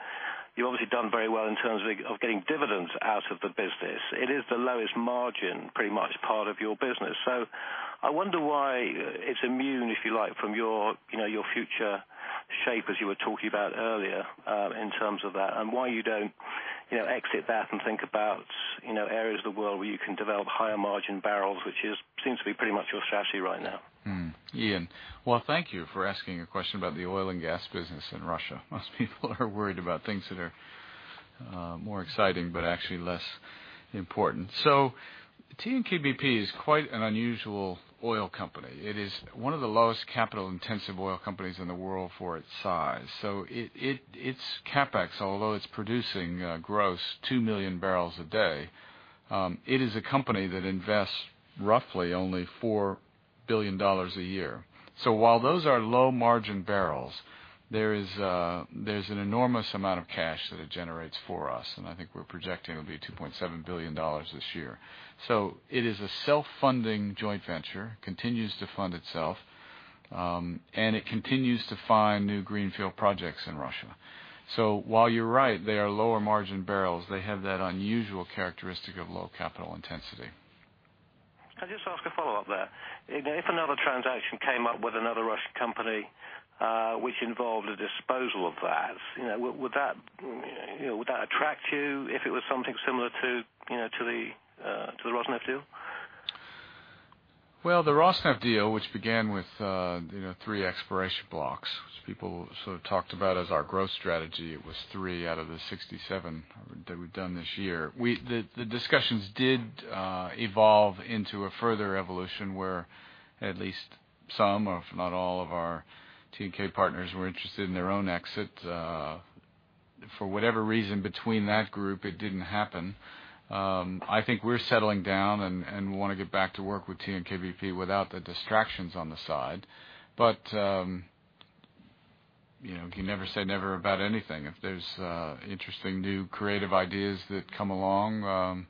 you've obviously done very well in terms of getting dividends out of the business, it is the lowest margin pretty much part of your business. I wonder why it's immune, if you like, from your future shape, as you were talking about earlier, in terms of that, and why you don't exit that and think about areas of the world where you can develop higher margin barrels, which seems to be pretty much your strategy right now. Thank you for asking a question about the oil and gas business in Russia. Most people are worried about things that are more exciting, but actually less important. TNK-BP is quite an unusual oil company. It is one of the lowest capital-intensive oil companies in the world for its size. Its CapEx, although it's producing gross 2 bbls million a day, is a company that invests roughly only $4 billion a year. While those are low margin barrels, there's an enormous amount of cash that it generates for us. I think we're projecting it'll be $2.7 billion this year. It is a self-funding joint venture, continues to fund itself, and it continues to find new greenfield projects in Russia. While you're right, they are lower margin barrels, they have that unusual characteristic of low capital intensity. I just ask a follow-up there. If another transaction came up with another Russian company, which involved a disposal of that, would that attract you if it was something similar to the Rosneft deal? The Rosneft deal, which began with three exploration blocks, which people sort of talked about as our growth strategy, was three out of the 67 that we've done this year. The discussions did evolve into a further evolution where at least some of, not all, of our TNK-BP partners were interested in their own exit. For whatever reason between that group, it didn't happen. I think we're settling down and want to get back to work with TNK-BP without the distractions on the side. You never say never about anything. If there's interesting new creative ideas that come along,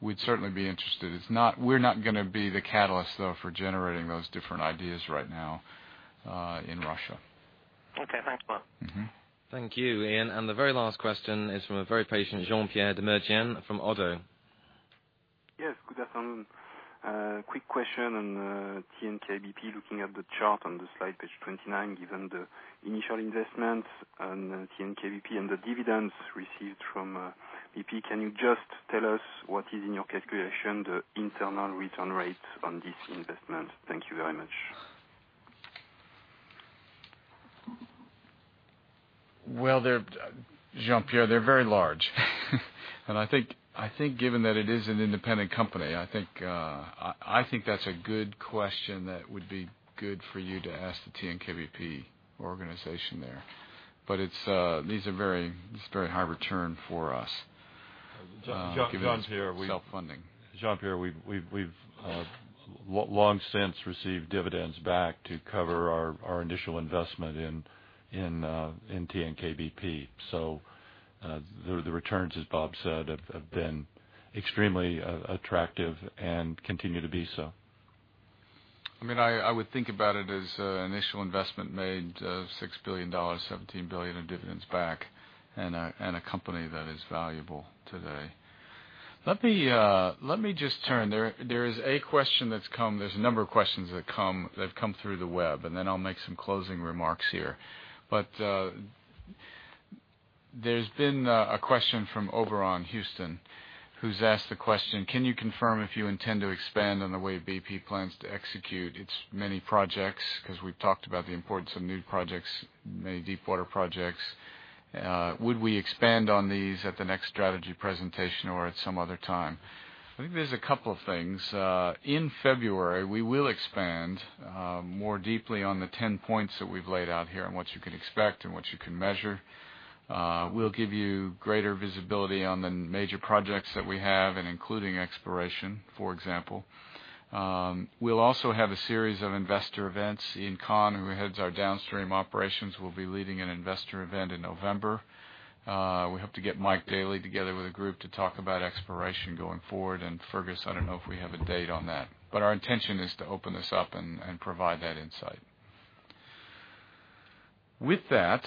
we'd certainly be interested. We're not going to be the catalyst, though, for generating those different ideas right now in Russia. Okay, thanks, Bob. Thank you, Iain. The very last question is from a very patient Jean-Pierre de Martien from ODDO. Yes, good afternoon. Quick question on TNK-BP. Looking at the chart on the slide page 29, given the initial investments on TNK-BP and the dividends received from BP, can you just tell us what is in your calculation, the internal return rate on this investment? Thank you very much. Jean-Pierre, they're very large. I think given that it is an independent company, I think that's a good question that would be good for you to ask the TNK-BP organization there. These are very high return for us. Jean-Pierre, we've long since received dividends back to cover our initial investment in TNK-BP. The returns, as Bob said, have been extremely attractive and continue to be so. I would think about it as an initial investment made of $6 billion, $17 billion in dividends back, and a company that is valuable today. Let me just turn. There is a question that's come. There's a number of questions that have come through the web. I'll make some closing remarks here. There's been a question from Oberon Houston, who's asked the question, can you confirm if you intend to expand on the way BP plans to execute its many projects? We've talked about the importance of new projects, many deepwater projects. Would we expand on these at the next strategy presentation or at some other time? I think there's a couple of things. In February, we will expand more deeply on the 10 points that we've laid out here and what you can expect and what you can measure. We'll give you greater visibility on the major projects that we have, including exploration, for example. We'll also have a series of investor events. Ian Khan, who heads our downstream operations, will be leading an investor event in November. We hope to get Mike Daly together with a group to talk about exploration going forward. Fergus, I don't know if we have a date on that. Our intention is to open this up and provide that insight. With that,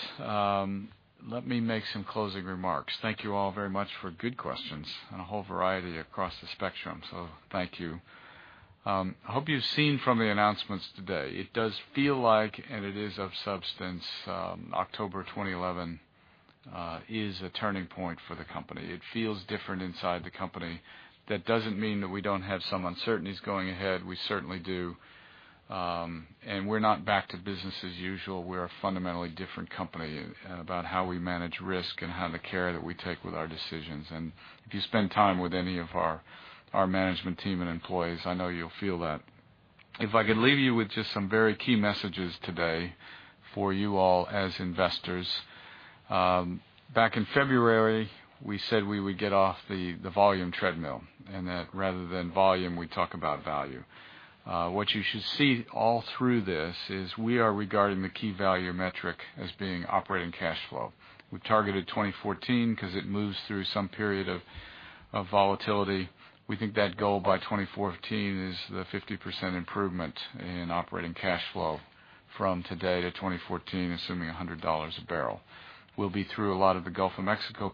let me make some closing remarks. Thank you all very much for good questions and a whole variety across the spectrum. Thank you. I hope you've seen from the announcements today, it does feel like, and it is of substance, October 2011 is a turning point for the company. It feels different inside the company. That doesn't mean that we don't have some uncertainties going ahead. We certainly do. We're not back to business as usual. We're a fundamentally different company in how we manage risk and the care that we take with our decisions. If you spend time with any of our management team and employees, I know you'll feel that. If I could leave you with just some very key messages today for you all as investors. Back in February, we said we would get off the volume treadmill and that rather than volume, we talk about value. What you should see all through this is we are regarding the key value metric as being operating cash flow. We targeted 2014 because it moves through some period of volatility. We think that goal by 2014 is the 50% improvement in operating cash flow from today to 2014, assuming $100 a barrel. We will be through a lot of the Gulf of Mexico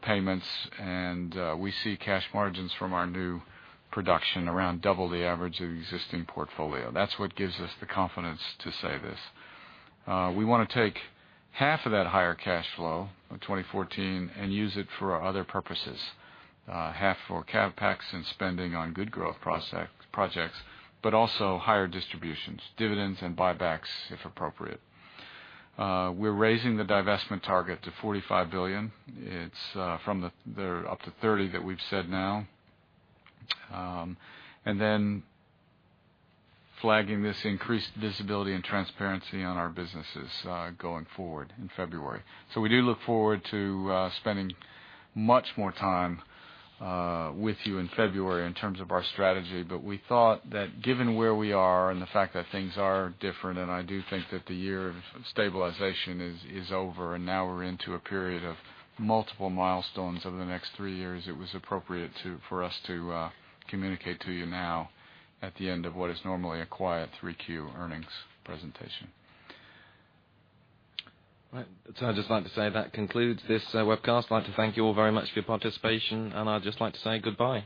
payments, and we see cash margins from our new production around double the average of the existing portfolio. That is what gives us the confidence to say this. We want to take half of that higher cash flow in 2014 and use it for other purposes, half for CapEx and spending on good growth projects, but also higher distributions, dividends, and buybacks if appropriate. We are raising the divestment target to $45 billion. It is from the up to $30 billion that we have said now. We are also flagging this increased visibility and transparency on our businesses going forward in February. We do look forward to spending much more time with you in February in terms of our strategy. We thought that given where we are and the fact that things are different, and I do think that the year of stabilization is over and now we are into a period of multiple milestones over the next three years, it was appropriate for us to communicate to you now at the end of what is normally a quiet 3Q earnings presentation. Right. I'd just like to say that concludes this webcast. I'd like to thank you all very much for your participation. I'd just like to say goodbye.